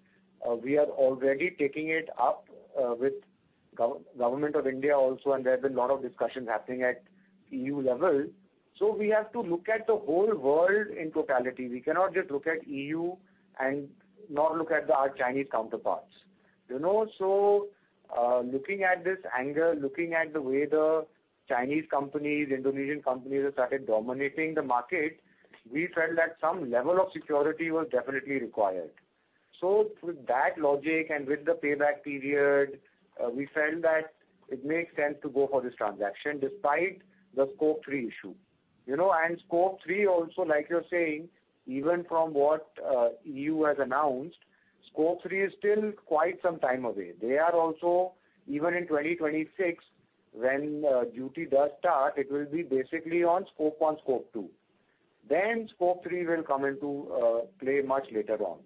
we are already taking it up with government of India also, and there have been a lot of discussions happening at EU level. We have to look at the whole world in totality. We cannot just look at EU and not look at our Chinese counterparts. You know, looking at this angle, looking at the way the Chinese companies, Indonesian companies have started dominating the market, we felt that some level of security was definitely required. With that logic and with the payback period, we felt that it makes sense to go for this transaction despite the Scope three issue. You know, Scope three also, like you're saying, even from what, EU has announced, Scope three is still quite some time away. They are also, even in 2026 when duty does start, it will be basically on Scope one, Scope two, then Scope three will come into play much later on.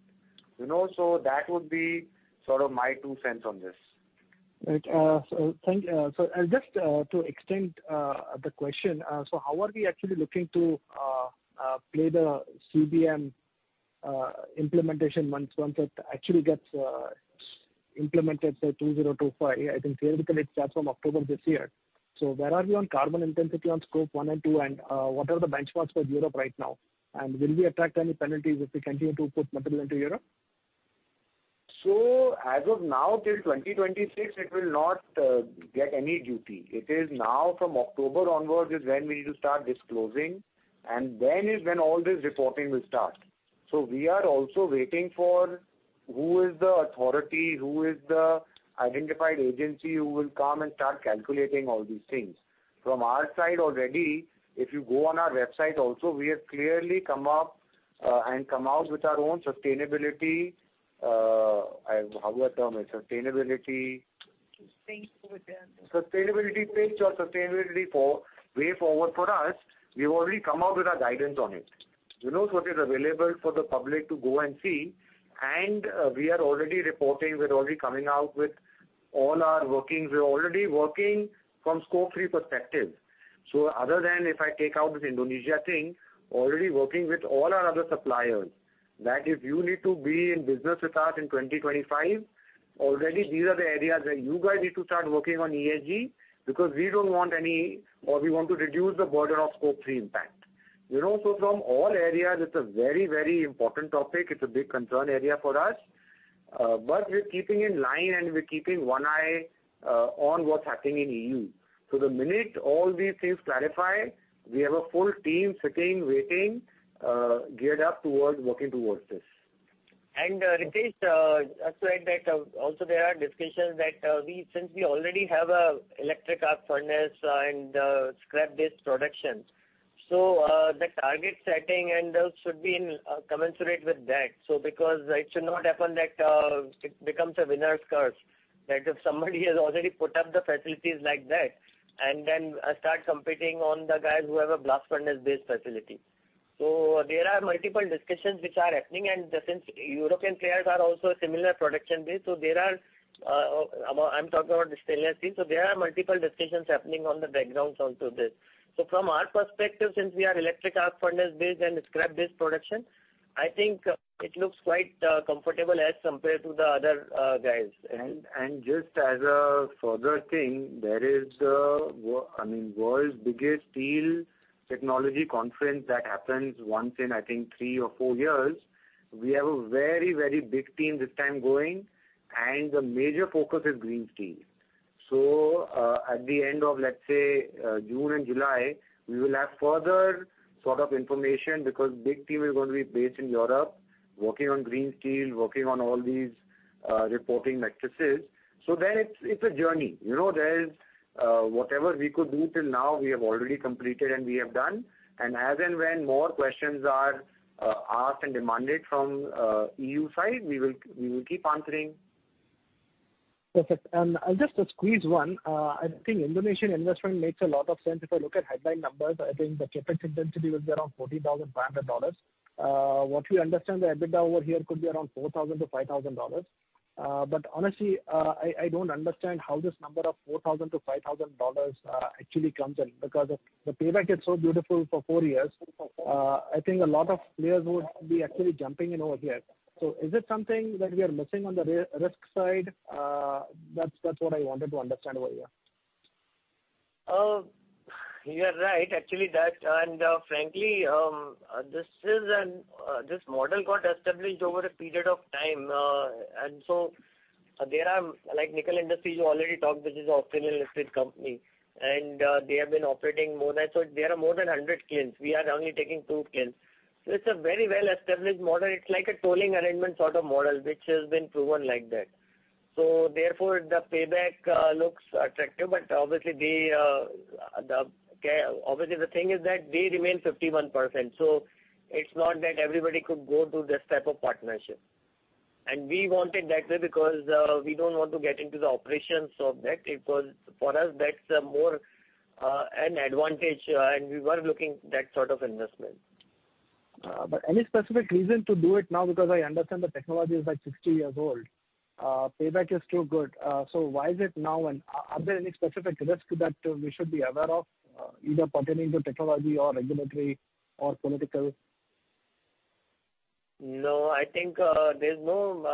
You know, that would be sort of my two cents on this. Right. And just to extend the question, how are we actually looking to play the CBAM implementation once it actually gets implemented say 2025? I think theoretically it starts from October this year. Where are we on carbon intensity on Scope one and two, and what are the benchmarks for Europe right now? Will we attract any penalties if we continue to put metal into Europe? As of now, till 2026 it will not get any duty. It is now from October onwards is when we need to start disclosing, and then is when all this reporting will start. We are also waiting for who is the authority, who is the identified agency who will come and start calculating all these things. From our side already, if you go on our website also, we have clearly come up and come out with our own sustainability, how do I term it? Sustainability. Sustainability pitch or sustainability for-way forward for us. We've already come out with our guidance on it. You know, it is available for the public to go and see. We are already reporting, we're already coming out with all our workings. We're already working from Scope three perspective. Other than if I take out this Indonesia thing, already working with all our other suppliers, that if you need to be in business with us in 2025, already these are the areas where you guys need to start working on ESG, because we don't want any or we want to reduce the border of Scope three impact. You know, from all areas, it's a very, very important topic. It's a big concern area for us. We're keeping in line and we're keeping one eye on what's happening in EU. The minute all these things clarify, we have a full team sitting, waiting, geared up towards working towards this. Ritesh Shah, also add that also there are discussions that since we already have a electric arc furnace and scrap-based production. The target setting and those should be in commensurate with that. Because it should not happen that it becomes a winner's curse. That if somebody has already put up the facilities like that and then start competing on the guys who have a blast furnace-based facility. There are multiple discussions which are happening. Since European players are also similar production base, there are I'm talking about the steelies team. There are multiple discussions happening on the background onto this. From our perspective, since we are electric arc furnace-based and scrap-based production, I think it looks quite comfortable as compared to the other guys. Just as a further thing, there is, I mean, world's biggest steel technology conference that happens once in, I think, three or four years. We have a very, very big team this time going, and the major focus is green steel. At the end of, let's say, June and July, we will have further sort of information because big team is going to be based in Europe, working on green steel, working on all these reporting matrices. Then it's a journey. You know, there is whatever we could do till now we have already completed and we have done. As and when more questions are asked and demanded from EU side, we will keep answering. Perfect. I'll just squeeze one. I think Indonesian investment makes a lot of sense. If I look at headline numbers, I think the CapEx intensity will be around $40,500. What we understand the EBITDA over here could be around $4,000-$5,000. Honestly, I don't understand how this number of $4,000-$5,000 actually comes in, because if the payback is so beautiful for 4 years, I think a lot of players would be actually jumping in over here. Is it something that we are missing on the risk side? That's what I wanted to understand over here. You are right. Actually frankly, this is an this model got established over a period of time. There are, like Nickel Industries you already talked, which is Australian listed company, they have been operating more than... So there are more than 100 kilns. We are only taking two kilns. It's a very well-established model. It's like a tolling arrangement sort of model, which has been proven like that. Therefore the payback looks attractive. Obviously the, obviously the thing is that they remain 51%, so it's not that everybody could go to this type of partnership. We wanted that way because we don't want to get into the operations of that. For us, that's more an advantage, we were looking that sort of investment. Any specific reason to do it now? Because I understand the technology is like 60 years old. Payback is too good. Why is it now? Are there any specific risks that we should be aware of, either pertaining to technology or regulatory or political? No, I think, there's no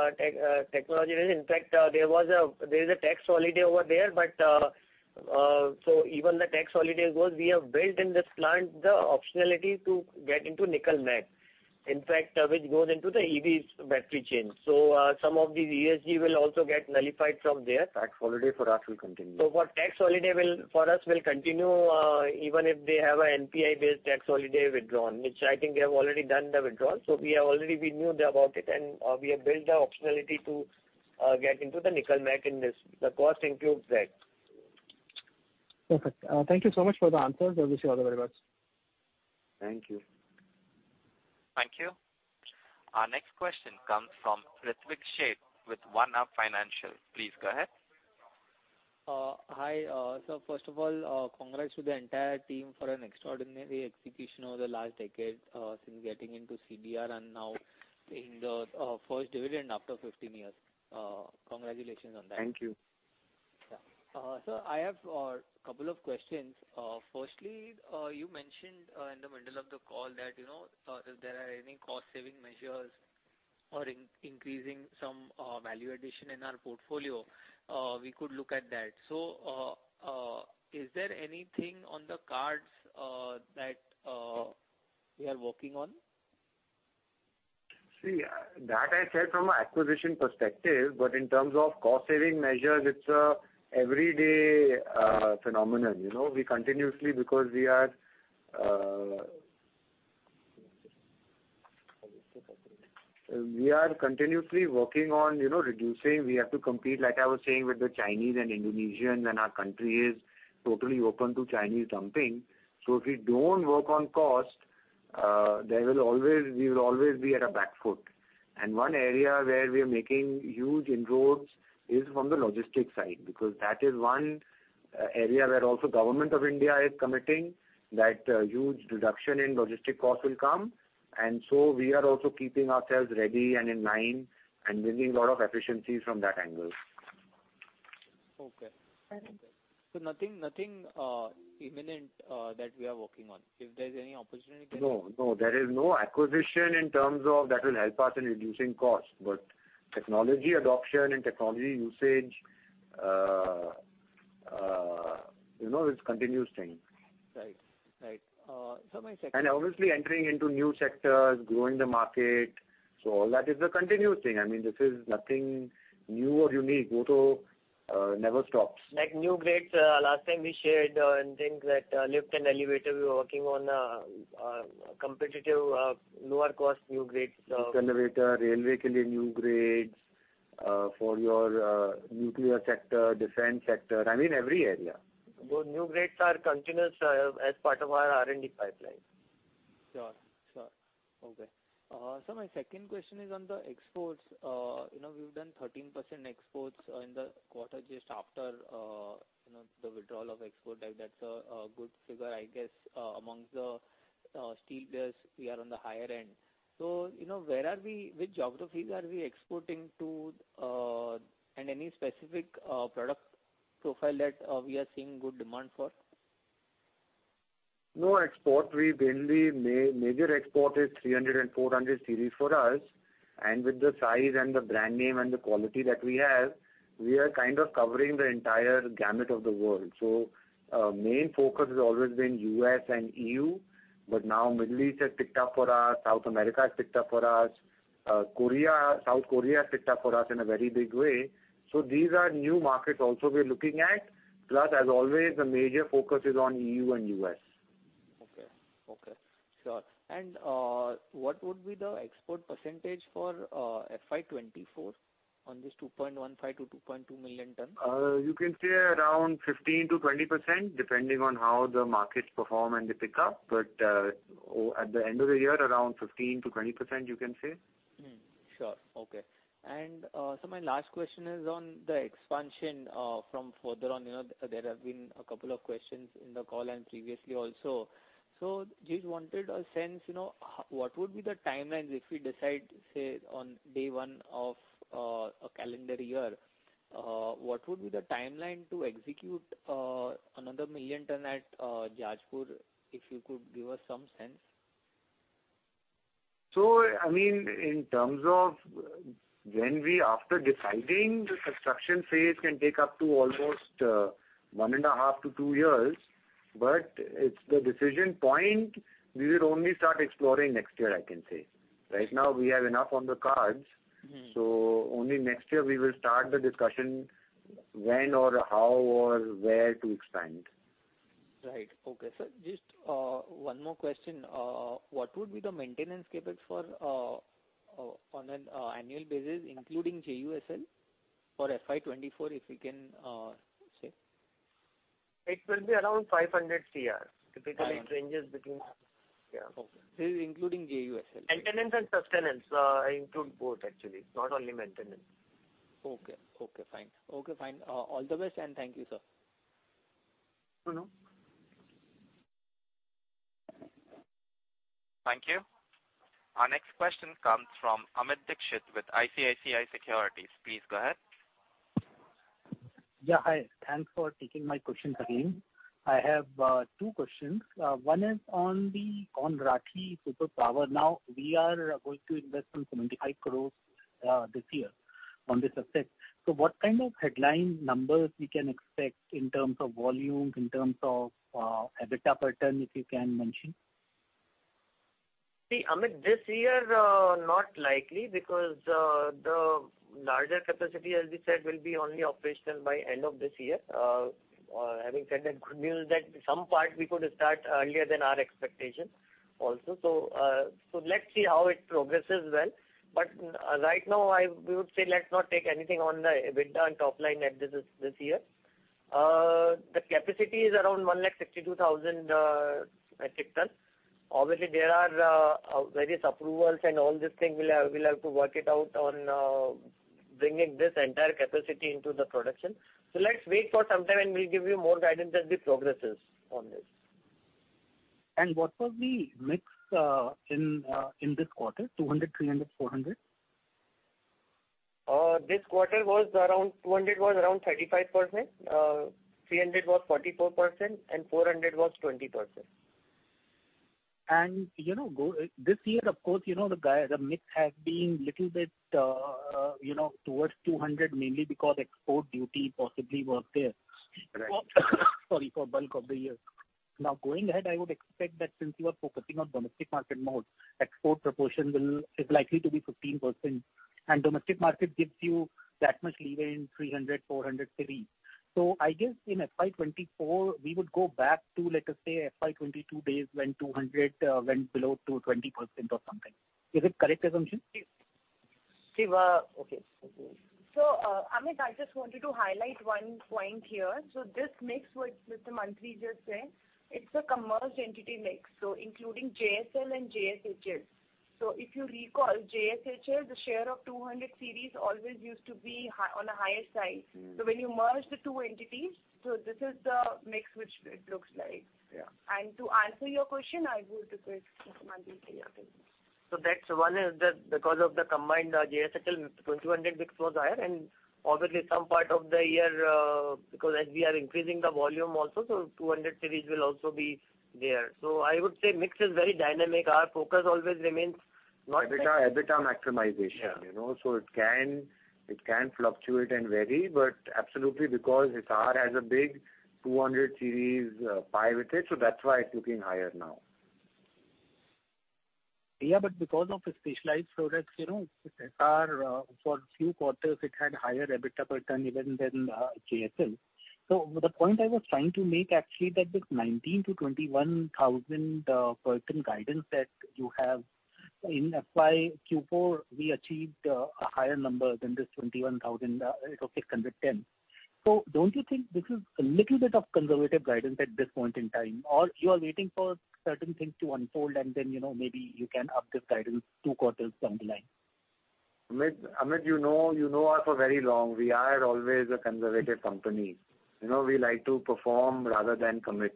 technology risk. In fact, there's a tax holiday over there. Even the tax holiday goes, we have built in this plant the optionality to get into nickel matte, in fact, which goes into the EVs battery chain. Some of these ESG will also get nullified from there. Tax holiday for us will continue. For tax holiday will, for us will continue, even if they have a NPI-based tax holiday withdrawn, which I think they have already done the withdrawal. We knew about it, and we have built the optionality to get into the nickel matte in this. The cost includes that. Perfect. Thank you so much for the answers, wish you all the very best. Thank you. Thank you. Our next question comes from Ritwik Sheth with OneUp Financial Consultants. Please go ahead. Hi. First of all, congrats to the entire team for an extraordinary execution over the last decade, since getting into CDR and now paying the first dividend after 15 years. Congratulations on that. Thank you. Yeah. Sir, I have a couple of questions. Firstly, you mentioned in the middle of the call that, you know, if there are any cost saving measures or increasing some value addition in our portfolio, we could look at that. Is there anything on the cards that we are working on? See, that I said from a acquisition perspective, but in terms of cost saving measures, it's a everyday phenomenon. You know, we continuously because we are continuously working on, you know, reducing. We have to compete, like I was saying, with the Chinese and Indonesians, and our country is totally open to Chinese dumping. If we don't work on cost, we will always be at a back foot. One area where we are making huge inroads is from the logistics side, because that is one area where also Government of India is committing that huge reduction in logistic cost will come. We are also keeping ourselves ready and in line and bringing a lot of efficiencies from that angle. Okay. Nothing, imminent, that we are working on. If there's any opportunity there... No, no, there is no acquisition in terms of that will help us in reducing costs. Technology adoption and technology usage, you know, it's continuous thing. Right. Right. Obviously entering into new sectors, growing the market. All that is a continuous thing. I mean, this is nothing new or unique. Auto never stops. Like new grades, last time we shared, and things like, lift and elevator, we were working on, competitive, lower cost new grades. Lift and elevator, railway new grades, for your, nuclear sector, defense sector. I mean, every area. New grades are continuous, as part of our R&D pipeline. Sure. Sure. Okay. My second question is on the exports. You know, we've done 13% exports in the quarter just after, you know, the withdrawal of export. That's a good figure, I guess. Amongst the steel players, we are on the higher end. You know, which geographies are we exporting to? Any specific product profile that we are seeing good demand for? No export. We mainly major export is 300 Series and 400 Series for us. With the size and the brand name and the quality that we have, we are kind of covering the entire gamut of the world. Main focus has always been U.S. and EU. Now Middle East has picked up for us. South America has picked up for us. Korea, South Korea has picked up for us in a very big way. These are new markets also we're looking at. As always, the major focus is on EU and U.S. Okay. Okay. Sure. What would be the export percentage for FY 2024 on this 2.15 million-2.2 million tons? You can say around 15% to 20%, depending on how the markets perform and they pick up. At the end of the year, around 15% to 20%, you can say. Sure. Okay. My last question is on the expansion from further on. You know, there have been a couple of questions in the call and previously also. Just wanted a sense, you know, what would be the timelines if we decide, say, on day one of a calendar year, what would be the timeline to execute another one million ton at Jajpur? If you could give us some sense. I mean, in terms of when we after deciding the construction phase can take up to almost one and a half to two years, it's the decision point we will only start exploring next year, I can say. Right now we have enough on the cards. Mm-hmm. Only next year we will start the discussion when or how or where to expand. Right. Okay. Sir, just one more question. What would be the maintenance CapEx for on an annual basis, including JUSL for FY 2024, if you can say? It will be around 500 crore. 500. Typically, it ranges between... Yeah. Okay. This is including JUSL. Maintenance and sustenance. I include both actually. Not only maintenance. Okay. Okay, fine. Okay, fine. All the best, thank you, sir. No, no. Thank you. Our next question comes from Amit Dixit with ICICI Securities. Please go ahead. Hi. Thanks for taking my question, Karim. I have two questions. One is on the Rathi Superpower. Now, we are going to invest some 75 crores this year on this asset. What kind of headline numbers we can expect in terms of volumes, in terms of EBITDA per ton, if you can mention? See, Amit, this year, not likely because the larger capacity, as we said, will be only operational by end of this year. Having said that, good news that some part we could start earlier than our expectation also. Let's see how it progresses well. Right now we would say let's not take anything on the EBITDA and top line net this year. The capacity is around 162,000 metric ton. Obviously, there are various approvals and all these things we'll have to work it out on bringing this entire capacity into the production. Let's wait for some time, and we'll give you more guidance as this progresses on this. What was the mix, in this quarter? 200, 300, 400? This quarter was around 200 was around 35%. 300 was 44% and 400 was 20%. ...you know, This year, of course, you know, the guy, the mix has been little bit, you know, towards 200 mainly because export duty possibly was there. Right. Sorry for bulk of the year. Going ahead, I would expect that since you are focusing on domestic market more, export proportion is likely to be 15% and domestic market gives you that much leeway in 300 Series, 400 Series. I guess in FY 2024 we would go back to, let us say, FY 2022 days when 200 Series went below to 20% or something. Is it correct assumption? See. Okay. Amit, I just wanted to highlight one point here. This mix what Mr. Mantri just said, it's a commercial entity mix, so including JSL and JSHL. If you recall, JSHL, the share of 200 Series always used to be on a higher side. Mm-hmm. When you merge the two entities, so this is the mix which it looks like. Yeah. To answer your question, I would request Mr. Mantri say again. That's one is that because of the combined JSHL 200 Series mix was higher and obviously some part of the year, because as we are increasing the volume also, so 200 Series will also be there. I would say mix is very dynamic. Our focus always remains... EBITDA maximization. You know, it can fluctuate and vary. Absolutely because Hisar has a big 200 Series pie with it, so that's why it's looking higher now. Yeah, but because of the specialized products, you know, Hisar for few quarters it had higher EBITDA per ton even than JSL. The point I was trying to make actually that this 19,000-21,000 per ton guidance that you have in FYQ4, we achieved a higher number than this 21,000, it was 610. Don't you think this is a little bit of conservative guidance at this point in time? Or you are waiting for certain things to unfold and then, you know, maybe you can up this guidance two quarters down the line. Amit, you know, you know us for very long. We are always a conservative company. You know, we like to perform rather than commit.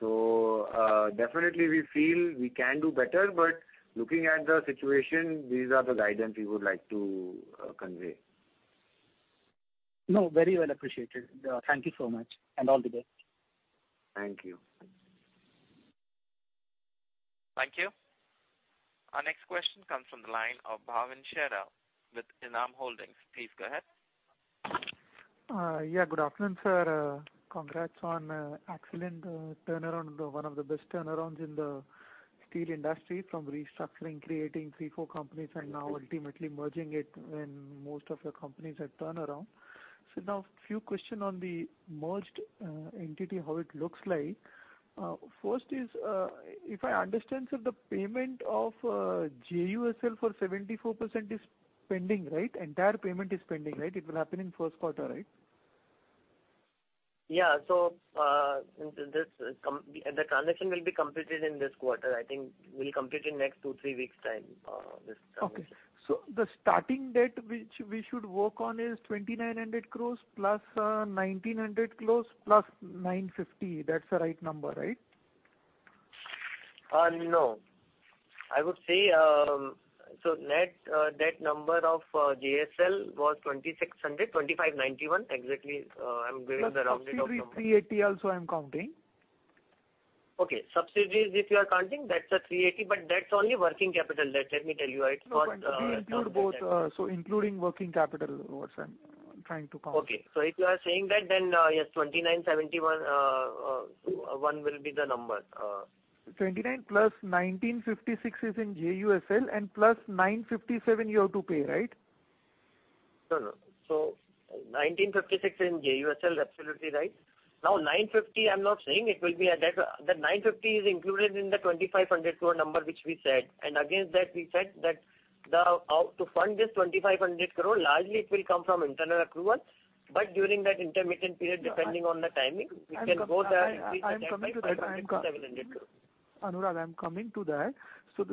Definitely we feel we can do better, but looking at the situation, these are the guidance we would like to convey. No, very well appreciated. Thank you so much and all the best. Thank you. Thank you. Our next question comes from the line of Bhavin Chheda with ENAM Holdings. Please go ahead. Good afternoon, sir. Congrats on excellent turnaround. One of the best turnarounds in the steel industry from restructuring, creating three, four companies and now ultimately merging it when most of the companies had turnaround. Now few questions on the merged entity, how it looks like. First is, if I understand, sir, the payment of JUSL for 74% is pending, right? Entire payment is pending, right? It will happen in first quarter, right? Yeah. The transaction will be completed in this quarter. I think we'll complete in next two, three weeks time. Okay. The starting date which we should work on is 2,900 crores+ 1,900 crores+ 950. That's the right number, right? No. I would say, net debt number of JSL was 2,600 crore, 2,591 crore. Exactly, I'm giving the rounded off number. Plus 3,380 also I'm counting. Okay. Subsidies, if you are counting, that's a 380, but that's only working capital debt, let me tell you. It's not included in that. We include both. Including working capital, what I'm trying to count. Okay. If you are saying that then, yes, 2971, one will be the number. 29 plus 1,956 is in JUSL and plus 957 you have to pay, right? No, no. 1956 in JUSL, absolutely right. 950 I'm not saying it will be a debt. The 950 is included in the 2,500 crore number which we said and against that we said that how to fund this 2,500 crore, largely it will come from internal accrual. During that intermittent period, depending on the timing, it can go the increase or decrease by INR 500-700 crore. Anurag, I'm coming to that. The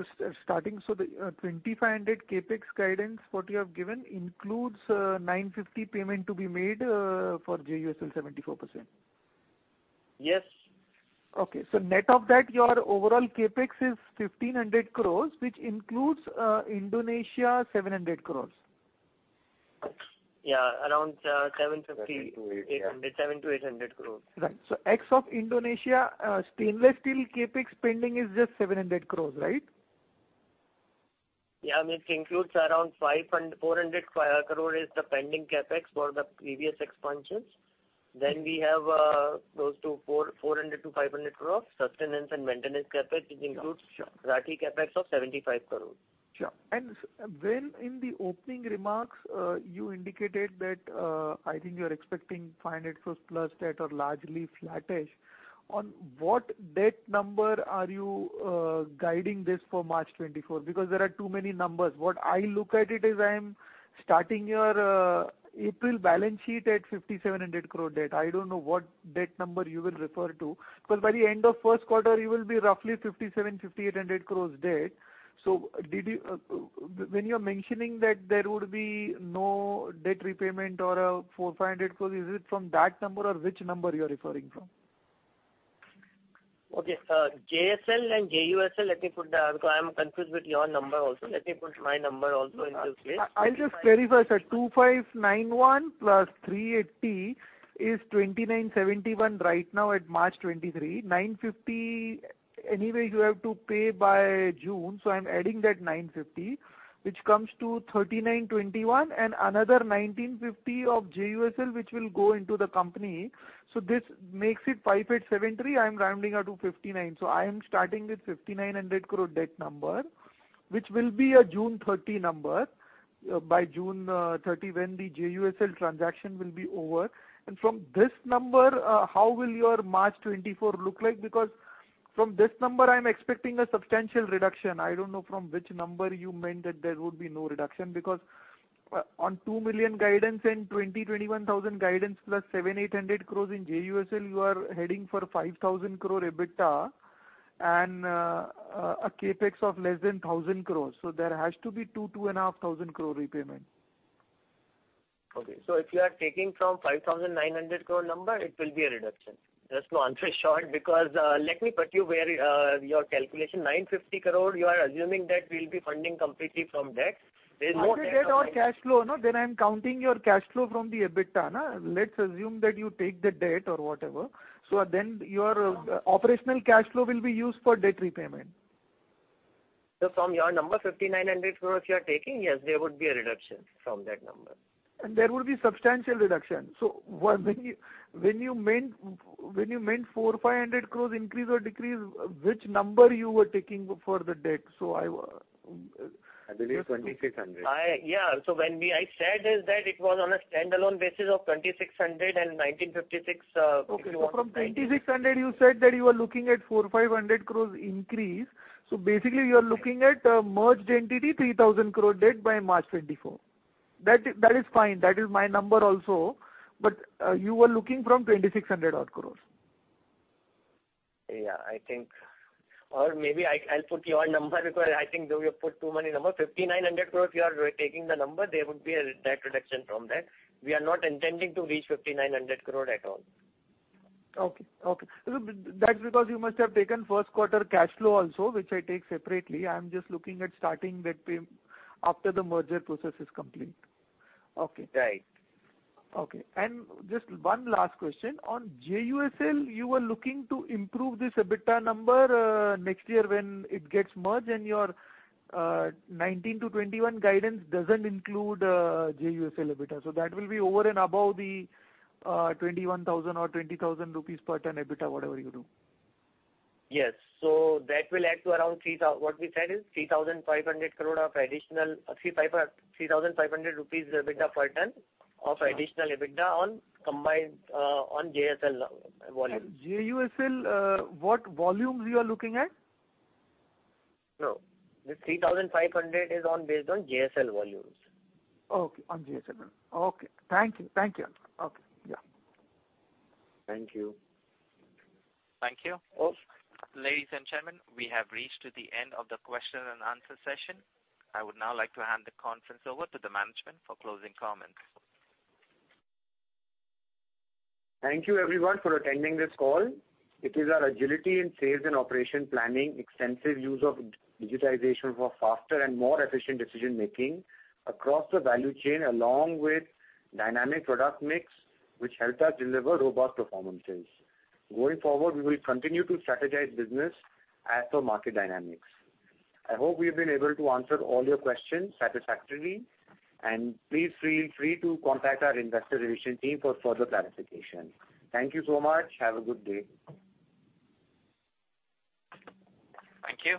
2,500 CapEx guidance what you have given includes 950 payment to be made for JUSL 74%. Yes. Okay. net of that, your overall CapEx is 1,500 crores, which includes Indonesia 700 crores. around 750, 800. 700-800 crores. Right. Ex of Indonesia, stainless steel CapEx spending is just 700 crores, right? Yeah, I mean, it includes around 400 crore is the pending CapEx for the previous expansions. We have close to 400 crore-500 crore sustenance and maintenance CapEx, which includes Rathi CapEx of 75 crore. Sure. When in the opening remarks, you indicated that, I think you're expecting 500 crore plus debt or largely flattish. On what debt number are you guiding this for March 2024? There are too many numbers. What I look at it is I am starting your April balance sheet at 5,700 crore debt. I don't know what debt number you will refer to, because by the end of first quarter, you will be roughly 5,700-5,800 crore debt. Did you, when you're mentioning that there would be no debt repayment or, 400-500 crore, is it from that number or which number you're referring from? Okay. JSL and JUSL, Because I'm confused with your number also. Let me put my number also into this please. I'll just clarify, sir. 2,591 plus 380 is 2,971 right now at March 2023. 950, anyway you have to pay by June, I'm adding that 950, which comes to 3,921 and another 1,950 of JUSL, which will go into the company. This makes it 5,873. I'm rounding up to 59. I am starting with 5,900 crore debt number, which will be a June 30 number. By June 30, when the JUSL transaction will be over. From this number, how will your March 2024 look like? Because from this number I'm expecting a substantial reduction. I don't know from which number you meant that there would be no reduction, because on 2 million guidance and 20,000-21,000 guidance plus 700-800 crores in JUSL, you are heading for 5,000 crore EBITDA and a CapEx of less than 1,000 crores. There has to be 2,000-2,500 crore repayment. Okay. If you are taking from 5,900 crore number, it will be a reduction. There's no answer short because, let me put you where your calculation. 950 crore you are assuming that we'll be funding completely from debt. There is no- Either debt or cash flow no? I'm counting your cash flow from the EBITDA, na. Let's assume that you take the debt or whatever. Your operational cash flow will be used for debt repayment. From your 5,900 crores you are taking, yes, there would be a reduction from that number. There will be substantial reduction. When you meant 400-500 crores increase or decrease, which number you were taking for the debt? I I believe 2,600. Yeah. I said is that it was on a standalone basis of 2,600 and 1,956. From 2,600 you said that you are looking at 400-500 crores increase. Basically you are looking at merged entity 3,000 crore debt by March 2024. That is fine. That is my number also. You were looking from 2,600 odd crores. Yeah, I think. Maybe I'll put your number because I think you put too many numbers. 5,900 crore you are taking the number, there would be a debt reduction from that. We are not intending to reach 5,900 crore at all. Okay. Okay. That's because you must have taken first quarter cash flow also, which I take separately. I'm just looking at starting debt payment after the merger process is complete. Okay. Right. Okay. Just one last question. On JUSL, you are looking to improve this EBITDA number, next year when it gets merged and your 19-21 guidance doesn't include JUSL EBITDA. That will be over and above the 21,000 or 20,000 rupees per ton EBITDA, whatever you do. Yes. That will add to around What we said is 3,500 crore of additional 3,500 rupees EBITDA per ton of additional EBITDA on combined on JSL volume. JUSL, what volumes you are looking at? No, the 3,500 is on based on JSL volumes. Okay. On JSL. Okay. Thank you. Thank you. Okay. Yeah. Thank you. Thank you. Okay. Ladies and gentlemen, we have reached to the end of the question and answer session. I would now like to hand the conference over to the management for closing comments. Thank you everyone for attending this call. It is our agility in sales and operation planning, extensive use of digitization for faster and more efficient decision making across the value chain along with dynamic product mix, which helped us deliver robust performances. Going forward, we will continue to strategize business as per market dynamics. I hope we've been able to answer all your questions satisfactorily. Please feel free to contact our investor relations team for further clarification. Thank you so much. Have a good day. Thank you.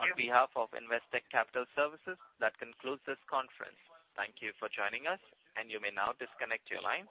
On behalf of Investec Capital Services, that concludes this conference. Thank you for joining us, and you may now disconnect your lines.